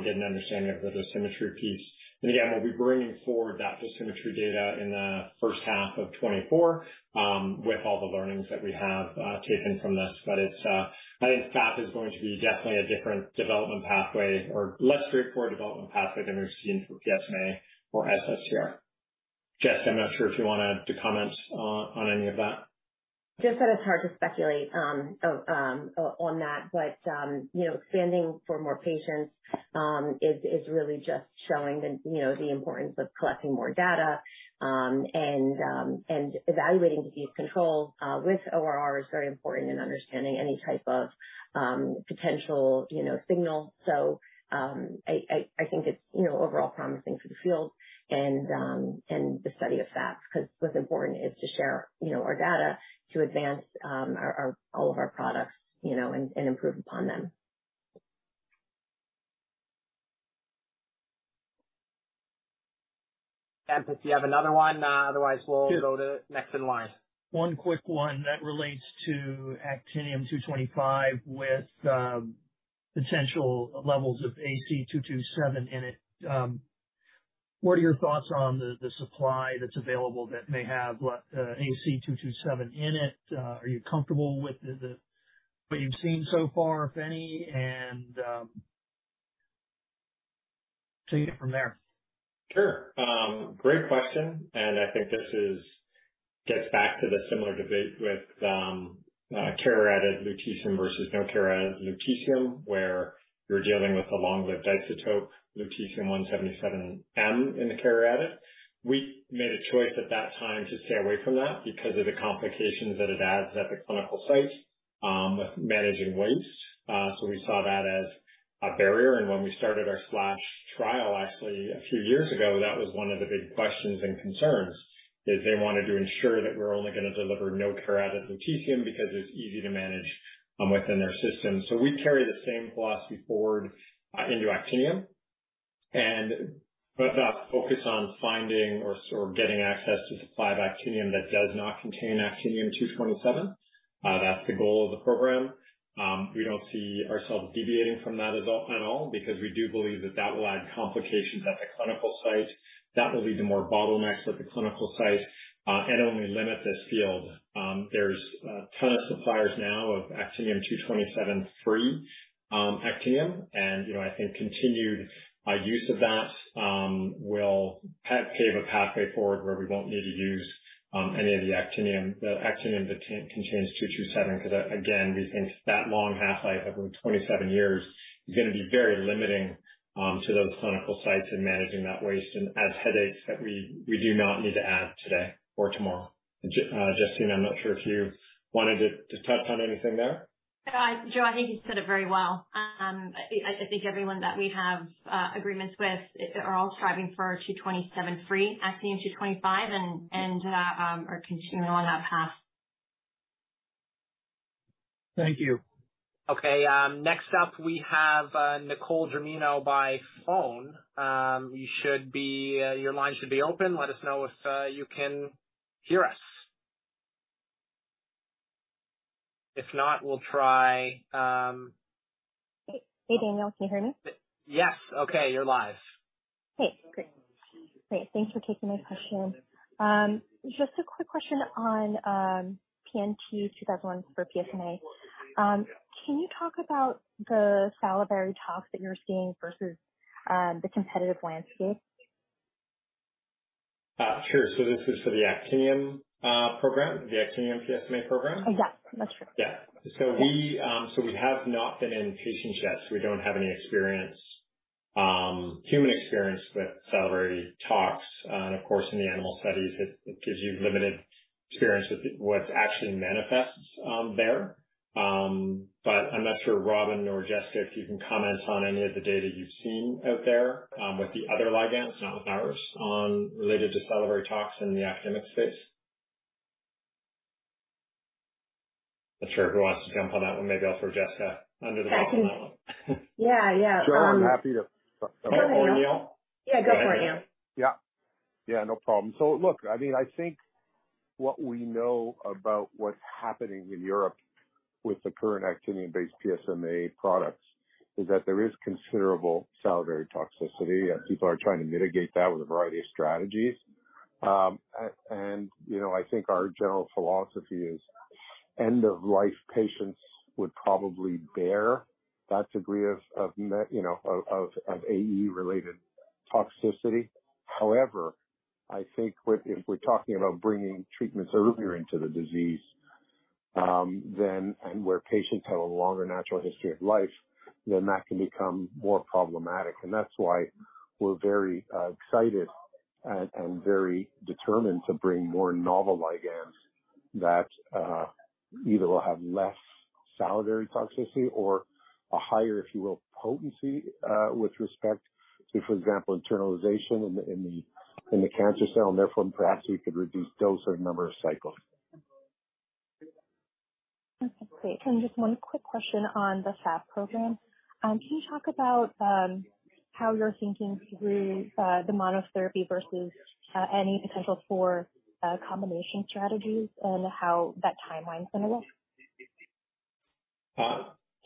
get an understanding of the dosimetry piece. Again, we'll be bringing forward that dosimetry data in the first half of 2024 with all the learnings that we have taken from this. I think FAP is going to be definitely a different development pathway or less straightforward development pathway than we've seen for PSMA or SSTR. Jess, I'm not sure if you wanted to comment on any of that. Just that it's hard to speculate, on that, but, you know, expanding for more patients, is really just showing the, you know, the importance of collecting more data, and evaluating disease control, with ORR is very important in understanding any type of, potential, you know, signal. I think it's, you know, overall promising for the field and the study of FAPs, 'cause what's important is to share, you know, our data to advance, all of our products, you know, and improve upon them. Ken, if you have another one, otherwise, go to next in line. One quick one that relates to Actinium-225 with, potential levels of Ac-227 in it. What are your thoughts on the supply that's available that may have Ac-227 in it? Are you comfortable with the what you've seen so far, if any, and take it from there? Sure. I think this gets back to the similar debate with carrier-added lutetium versus no-carrier-added lutetium, where you're dealing with a long-lived isotope, lutetium-177m in the carrier-added. We made a choice at that time to stay away from that because of the complications that it adds at the clinical site with managing waste. We saw that as a barrier, and when we started our SPLASH trial actually a few years ago, that was one of the big questions and concerns, is they wanted to ensure that we're only going to deliver no-carrier-added lutetium because it's easy to manage within their system. We carry the same philosophy forward into actinium and that's focused on finding or getting access to supply of actinium that does not contain Actinium-227. That's the goal of the program. We don't see ourselves deviating from that at all, because we do believe that that will add complications at the clinical site. That will lead to more bottlenecks at the clinical site, and only limit this field. There's a ton of suppliers now of Actinium-227, actinium, and, you know, I think continued use of that will pave a pathway forward where we won't need to use any of the actinium, the actinium that contains 227. Again, we think that long half-life of over 27 years is going to be very limiting to those clinical sites in managing that waste and adds headaches that we do not need to add today or tomorrow. Justyna, I'm not sure if you wanted to touch on anything there. Joe, I think you said it very well. I think everyone that we have agreements with are all striving for Actinium-227 three, Actinium-225, and are continuing on that path. Thank you. Okay, next up we have Nicole Germino by phone. Your line should be open. Let us know if you can hear us. If not, we'll try. Hey, hey, Daniel, can you hear me? Yes. Okay, you're live. Hey, great. Great, thanks for taking my question. Just a quick question on PNT2001 for PSMA. Can you talk about the salivary tox that you're seeing versus the competitive landscape? Sure. This is for the actinium program, the actinium PSMA program? Yeah, that's correct. Yeah. We have not been in patients yet, so we don't have any experience, human experience with salivary tox. Of course, in the animal studies, it gives you limited experience with what actually manifests there. I'm not sure, Robin or Jessica, if you can comment on any of the data you've seen out there, with the other ligands, not with ours, related to salivary tox in the actinium space? Not sure who wants to jump on that one. Maybe I'll throw Jessica under the bus on that one. Yeah. Yeah. Joe, I'm happy to... Neil? Yeah, go for it, Neil. Yeah. Yeah, no problem. Look, I mean, I think what we know about what's happening in Europe with the current actinium-based PSMA products, is that there is considerable salivary toxicity, and people are trying to mitigate that with a variety of strategies. And, you know, I think our general philosophy is end of life patients would probably bear that degree of, you know, of AE-related toxicity. However, I think we're, if we're talking about bringing treatments earlier into the disease, then, and where patients have a longer natural history of life, then that can become more problematic. That's why we're very excited and very determined to bring more novel ligands that either will have less salivary toxicity or a higher, if you will, potency with respect to, for example, internalization in the cancer cell, and therefore perhaps we could reduce dose or number of cycles. Okay, great. Just one quick question on the FAP program. Can you talk about how you're thinking through the monotherapy versus any potential for combination strategies and how that timeline's going to look?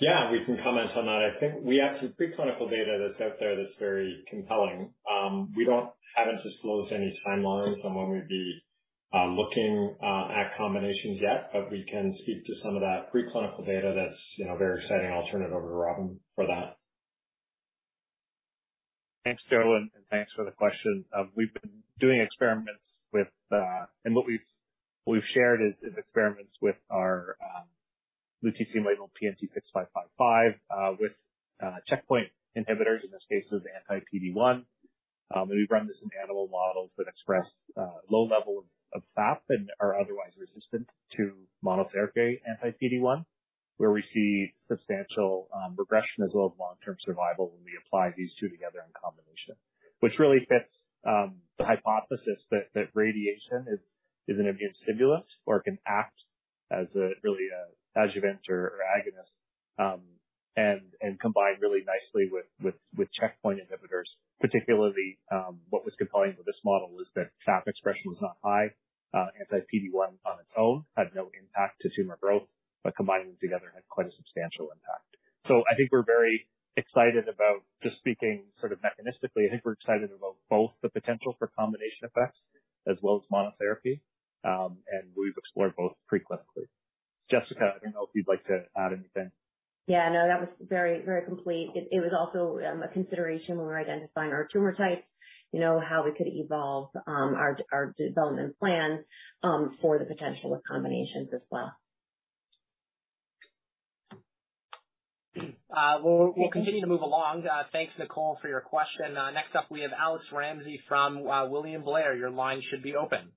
Yeah, we can comment on that. I think we have some preclinical data that's out there that's very compelling. We don't, haven't disclosed any timelines on when we'd be looking at combinations yet, but we can speak to some of that preclinical data that's, you know, very exciting. I'll turn it over to Robin for that. Thanks, Joe, and thanks for the question. What we've shared is experiments with our lutetium labeled PNT6555 with checkpoint inhibitors, in this case with anti-PD-1. We've run this in animal models that express low level of FAP and are otherwise resistant to monotherapy anti-PD-1, where we see substantial regression as well as long-term survival when we apply these two together in combination. Which really fits the hypothesis that radiation is an immune stimulant or can act as a really adjuvant or agonist, and combine really nicely with checkpoint inhibitors. Particularly, what was compelling with this model is that FAP expression was not high, anti-PD-1 on its own, had no impact to tumor growth, but combining them together had quite a substantial impact. I think we're very excited about just speaking sort of mechanistically. I think we're excited about both the potential for combination effects as well as monotherapy. We've explored both preclinically. Jessica, I don't know if you'd like to add anything. Yeah, no, that was very, very complete. It was also a consideration when we're identifying our tumor types, you know, how we could evolve our development plans for the potential of combinations as well. we'll continue to move along. Thanks, Nicole, for your question. Next up, we have Alex Ramsey from William Blair. Your line should be open.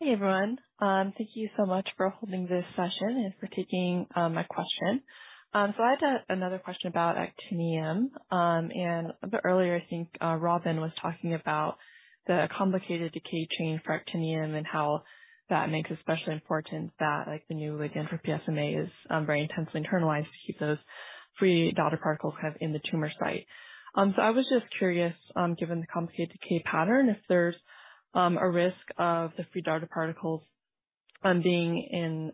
Hey, everyone. Thank you so much for holding this session and for taking my question. I had another question about actinium. A bit earlier, I think, Robin was talking about the complicated decay chain for actinium and how that makes it especially important that, like, the new ligand for PSMA is very intensely internalized to keep those free daughter particles kind of in the tumor site. I was just curious, given the complicated decay pattern, if there's a risk of the free daughter particles being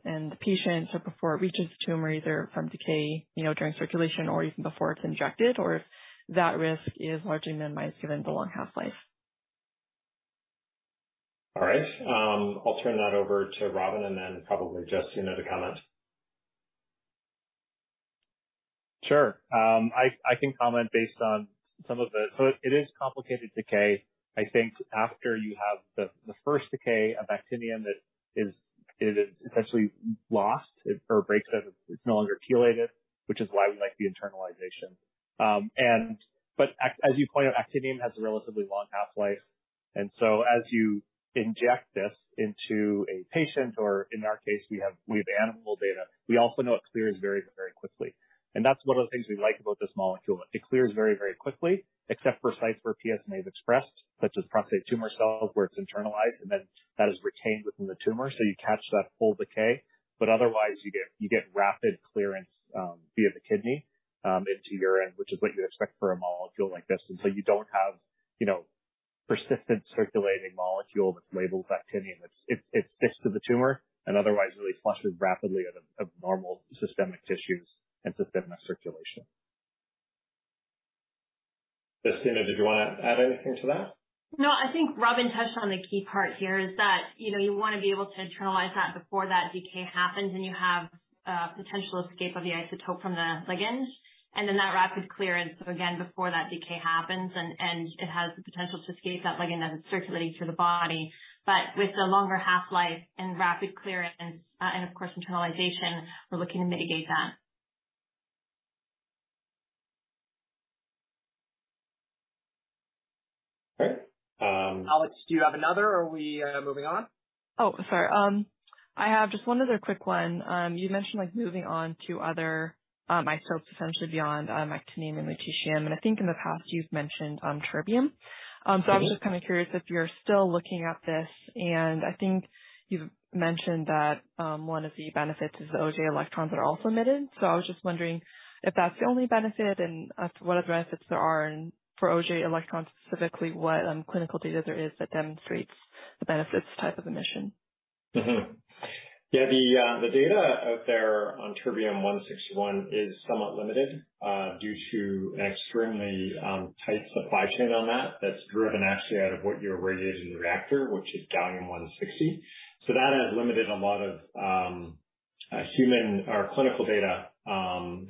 in the patient or before it reaches the tumor, either from decay, you know, during circulation or even before it's injected, or if that risk is largely minimized given the long half-life. All right. I'll turn that over to Robin, and then probably Justyna to comment. Sure. I can comment based on some of the... it is complicated decay. I think after you have the first decay of actinium, that is, it is essentially lost or breaks up, it's no longer chelated, which is why we like the internalization. as you POINT out, actinium has a relatively long half-life. as you inject this into a patient, or in our case, we have, we have animal data, we also know it clears very, very quickly. That's one of the things we like about this molecule. It clears very, very quickly, except for sites where PSMA is expressed, such as prostate tumor cells, where it's internalized, and then that is retained within the tumor. You catch that full decay, but otherwise you get rapid clearance via the kidney into urine, which is what you'd expect for a molecule like this. You don't have, you know, persistent circulating molecule that's labeled actinium. It sticks to the tumor and otherwise really flushes rapidly out of normal systemic tissues and systemic circulation. Justyna, did you want to add anything to that? I think Robin touched on the key part here, is that, you know, you want to be able to internalize that before that decay happens and you have potential escape of the isotope from the ligand, and then that rapid clearance again before that decay happens and it has the potential to escape that ligand as it's circulating through the body. With the longer half-life and rapid clearance, and of course, internalization, we're looking to mitigate that. Okay. Alex, do you have another or are we moving on? Oh, sorry. I have just one other quick one. You mentioned, like, moving on to other isotopes essentially beyond actinium and lutetium. I think in the past you've mentioned terbium. I was just kind of curious if you're still looking at this? I think you've mentioned that one of the benefits is the Auger electrons are also emitted. I was just wondering if that's the only benefit and what other benefits there are and for Auger electrons, specifically, what clinical data there is that demonstrates the benefits of this type of emission? Mm-hmm. Yeah, the data out there on Terbium-161 is somewhat limited due to an extremely tight supply chain on that. That's driven actually out of what your radiation reactor, which is Gallium-160. That has limited a lot of human or clinical data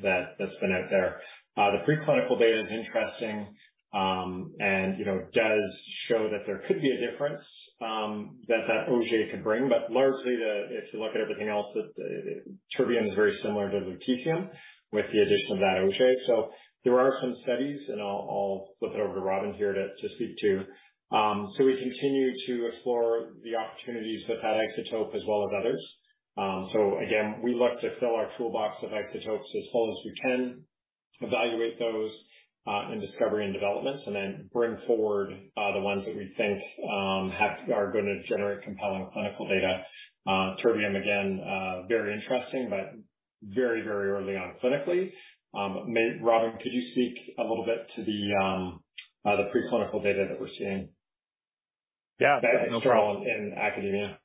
that's been out there. The preclinical data is interesting, and, you know, does show that there could be a difference that Auger could bring. Largely, if you look at everything else, that terbium is very similar to lutetium with the addition of that Auger. There are some studies, and I'll flip it over to Robin here to speak to. We continue to explore the opportunities with that isotope as well as others. Again, we look to fill our toolbox of isotopes as full as we can, evaluate those in discovery and developments, bring forward the ones that we think are going to generate compelling clinical data. Terbium, again, very interesting, very, very early on clinically. Robin, could you speak a little bit to the preclinical data that we're seeing? Yeah. That is strong in academia.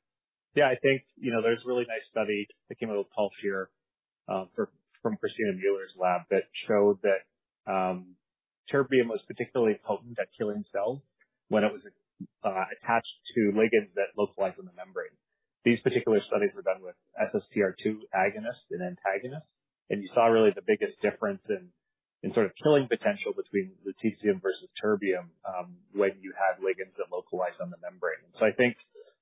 Yeah, I think, you know, there's a really nice study that came out of Paul Scherrer Institut from Cristina Müller's lab, that showed that terbium was particularly potent at killing cells when it was attached to ligands that localize on the membrane. These particular studies were done with SSTR2 agonist and antagonist, you saw really the biggest difference in sort of killing potential between lutetium versus terbium when you had ligands that localized on the membrane. I think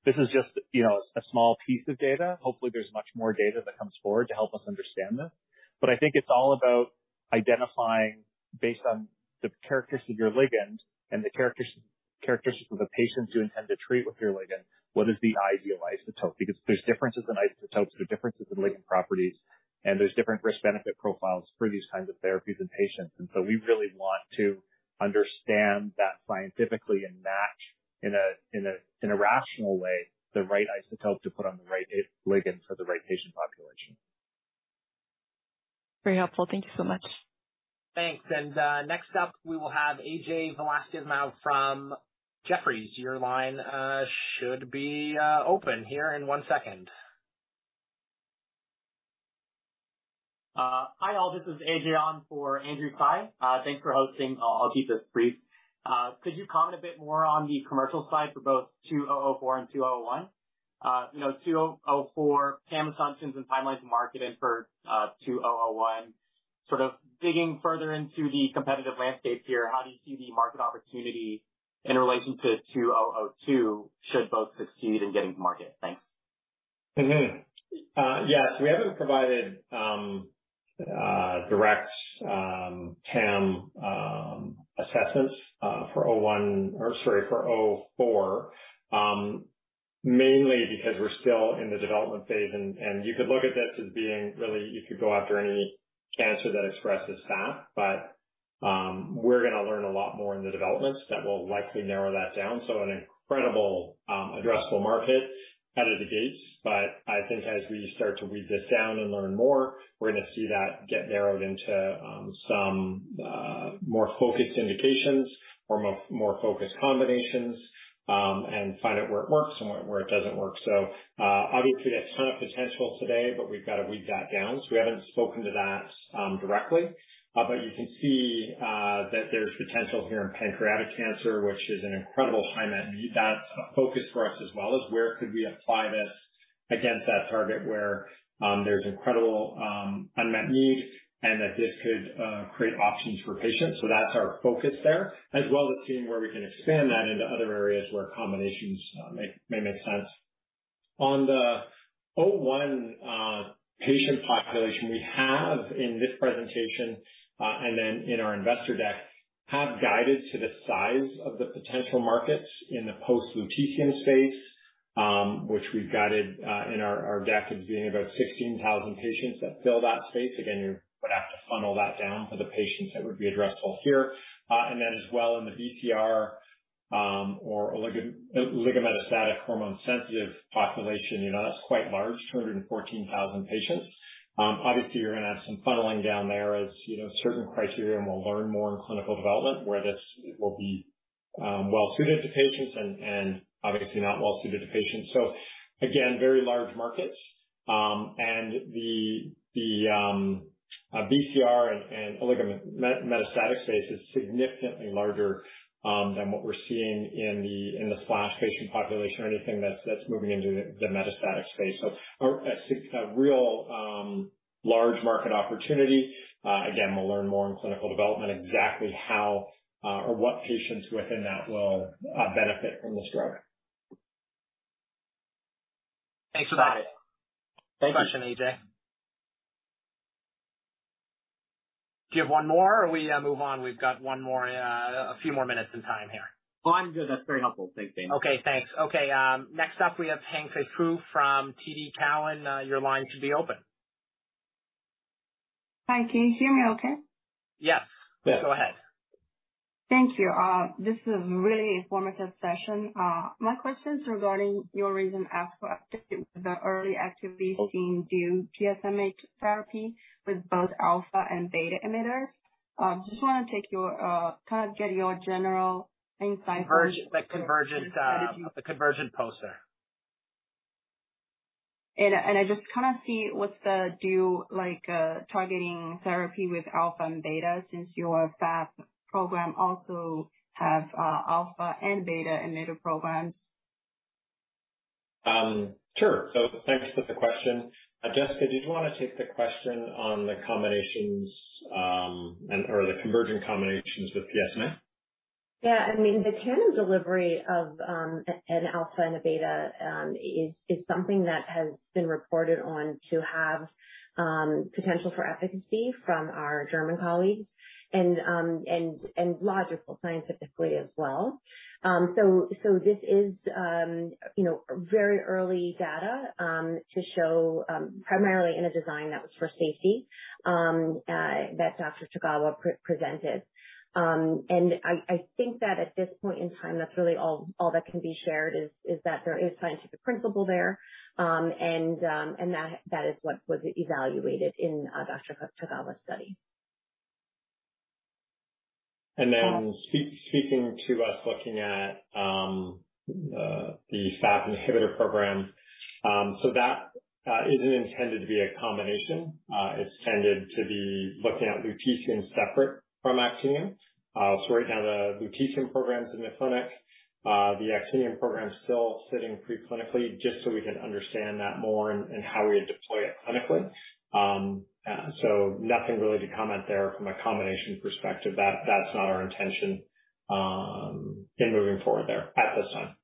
this is just, you know, a small piece of data. Hopefully, there's much more data that comes forward to help us understand this. I think it's all about identifying based on the characteristics of your ligand and the characteristics of the patients you intend to treat with your ligand, what is the ideal isotope. Because there's differences in isotopes, there's differences in ligand properties, and there's different risk-benefit profiles for these kinds of therapies in patients. We really want to understand that scientifically and match in a, in a, in a rational way, the right isotope to put on the right ligand for the right patient population. Very helpful. Thank you so much. Thanks. Next up, we will have Ajay Volasimaw from Jefferies. Your line should be open here in one second. Hi, all. This is Ajay, on for Andrew Tsai. Thanks for hosting. I'll keep this brief. Could you comment a bit more on the commercial side for both PNT2004 and PNT2001? You know, PNT2004 TAM assumptions and timelines to market, and for PNT2001, sort of digging further into the competitive landscape here, how do you see the market opportunity in relation to PNT2002, should both succeed in getting to market? Thanks. Yes, we haven't provided direct TAM assessments for 01 or, sorry, for 04, mainly because we're still in the development phase, and you could look at this as being really you could go after any cancer that expresses FAP. We're gonna learn a lot more in the developments that will likely narrow that down. An incredible addressable market out of the gates. I think as we start to read this down and learn more, we're gonna see that get narrowed into some more focused indications or more focused combinations, and find out where it works and where it doesn't work. Obviously, a ton of potential today, but we've got to weed that down. We haven't spoken to that directly, but you can see that there's potential here in pancreatic cancer, which is an incredible high net need. That's a focus for us, as well as where could we apply this against that target, where there's incredible unmet need and that this could create options for patients. That's our focus there, as well as seeing where we can expand that into other areas where combinations may make sense. On the 01 patient population, we have in this presentation, and then in our investor deck, have guided to the size of the potential markets in the post-lutetium space, which we've guided in our deck as being about 16,000 patients that fill that space. Again, you would have to funnel that down for the patients that would be addressable here. As well, in the BCR, or oligometastatic hormone-sensitive population, you know, that's quite large, 214,000 patients. Obviously, you're gonna have some funneling down there as, you know, certain criteria, and we'll learn more in clinical development where this will be well suited to patients and obviously not well suited to patients. Again, very large markets. The BCR and metastatic space is significantly larger than what we're seeing in the SPLASH patient population or anything that's moving into the metastatic space. A real large market opportunity. Again, we'll learn more in clinical development exactly how or what patients within that will benefit from this drug. Thanks for that. Question, Ajay. Do you have one more, or we move on? We've got one more, a few more minutes of time here. Oh, I'm good. That's very helpful. Thanks, Dan. Okay, thanks. Next up, we have Hangfei Fu from TD Cowen. Your line should be open. Hi, can you hear me okay? Yes. Go ahead. Thank you. This is a really informative session. My question is regarding your recent ask for activity, the early activities being PSMA therapy with both alpha and beta emitters. Just want to get your general insight. The convergence, the Convergent poster? I just kind of see what's the do you like, targeting therapy with alpha and beta since your FAP program also have, alpha and beta emitter programs? Sure. Thanks for the question. Jessica, did you want to take the question on the combinations, and or the Convergent combinations with PSMA? Yeah. I mean, the ten delivery of an alpha and a beta is something that has been reported on to have potential for efficacy from our German colleagues and logical scientifically as well. This is, you know, very early data to show primarily in a design that was for safety that Dr. Tagawa pre-presented. I think that at this POINT in time, that's really all that can be shared is that there is scientific principle there. That is what was evaluated in Dr. Tagawa's study. Speaking to us, looking at the FAP inhibitor program. That isn't intended to be a combination. It's intended to be looking at lutetium separate from actinium. Right now the lutetium program's in the clinic. The actinium program is still sitting pre-clinically just so we can understand that more and how we would deploy it clinically. Nothing really to comment there from a combination perspective, that's not our intention in moving forward there at this time.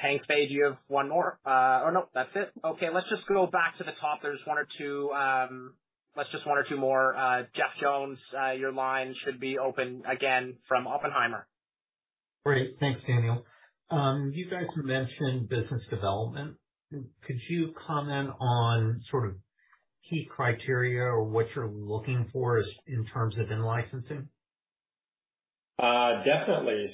Hank Spade, do you have one more? or no, that's it. Let's just go back to the top. There's just one or two more. Jeff Jones, your line should be open again from Oppenheimer. Great. Thanks, Daniel. You guys mentioned business development. Could you comment on sort of key criteria or what you're looking for as in terms of in-licensing? Definitely.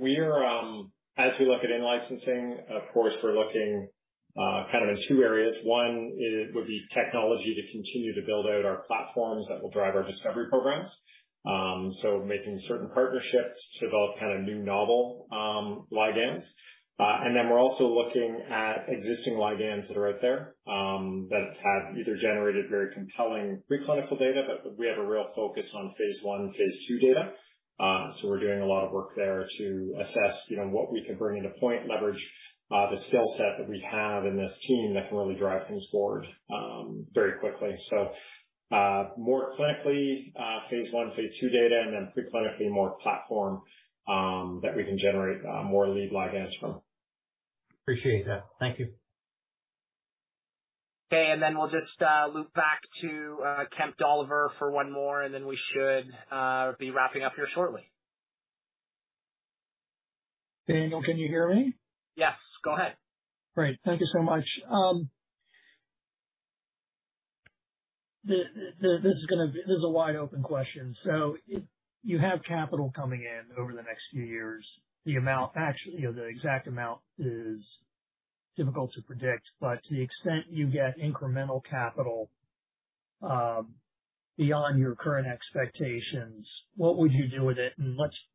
We're as we look at in-licensing, of course, we're looking kind of in two areas. One is, would be technology to continue to build out our platforms that will drive our discovery programs. Making certain partnerships to develop kind of new novel ligands. We're also looking at existing ligands that are out there that have either generated very compelling pre-clinical data, but we have a real focus on phase I and phase II data. We're doing a lot of work there to assess, you know, what we can bring into POINT, leverage the skill set that we have in this team that can really drive things forward very quickly. More clinically, phase I, phase II data, pre-clinically, more platform that we can generate more lead ligands from. Appreciate that. Thank you. Okay, we'll just loop back to Kemp Dolliver for one more, and then we should be wrapping up here shortly. Daniel, can you hear me? Yes, go ahead. Great. Thank you so much. This is a wide open question. You have capital coming in over the next few years. The amount actually, you know, the exact amount is difficult to predict, but to the extent you get incremental capital, beyond your current expectations, what would you do with it?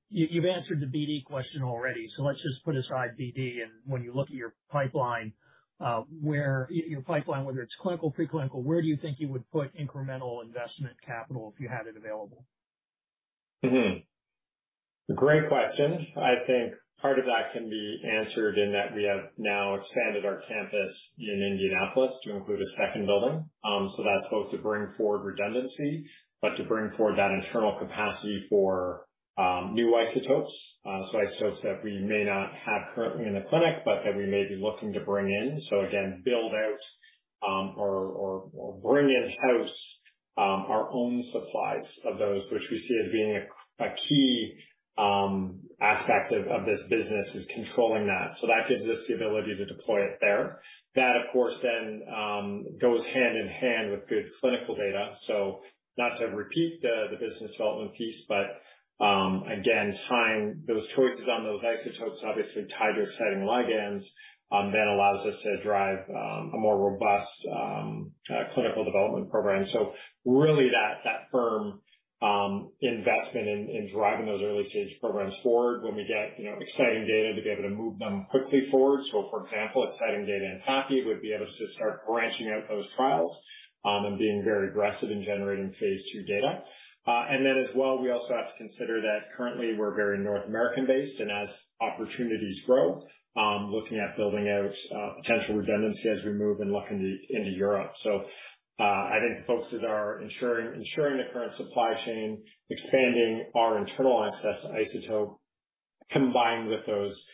You've answered the BD question already, so let's just put aside BD, and when you look at your pipeline, where your pipeline, whether it's clinical, pre-clinical, where do you think you would put incremental investment capital if you had it available? Great question. I think part of that can be answered in that we have now expanded our campus in Indianapolis to include a second building. That's both to bring forward redundancy, but to bring forward that internal capacity for new isotopes. Isotopes that we may not have currently in the clinic, but that we may be looking to bring in. Again, build out or bring in-house our own supplies of those, which we see as being a key aspect of this business, is controlling that. That gives us the ability to deploy it there. That, of course, goes hand in hand with good clinical data. Not to repeat the business development piece, but again, tying those choices on those isotopes, obviously tie to exciting ligands, then allows us to drive a more robust clinical development program. Really that firm investment in driving those early-stage programs forward when we get, you know, exciting data to be able to move them quickly forward. For example, exciting data in FAPI, would be able to just start branching out those trials, and being very aggressive in generating phase II data. And then as well, we also have to consider that currently we're very North American-based, and as opportunities grow, looking at building out potential redundancy as we move and look into Europe. I think the focuses are ensuring the current supply chain, expanding our internal access to isotope, combined with those,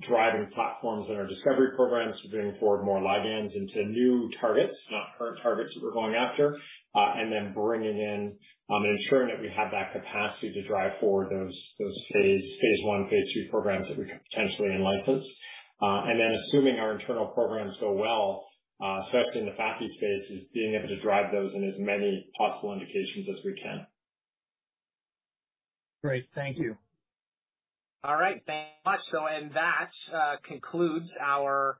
driving platforms in our discovery programs. Bringing forward more ligands into new targets, not current targets that we're going after, and then bringing in, ensuring that we have that capacity to drive forward those phase I, phase II programs that we could potentially in-license. Assuming our internal programs go well, especially in the FAPI space, is being able to drive those in as many possible indications as we can. Great. Thank you. All right. Thanks so much. That concludes our.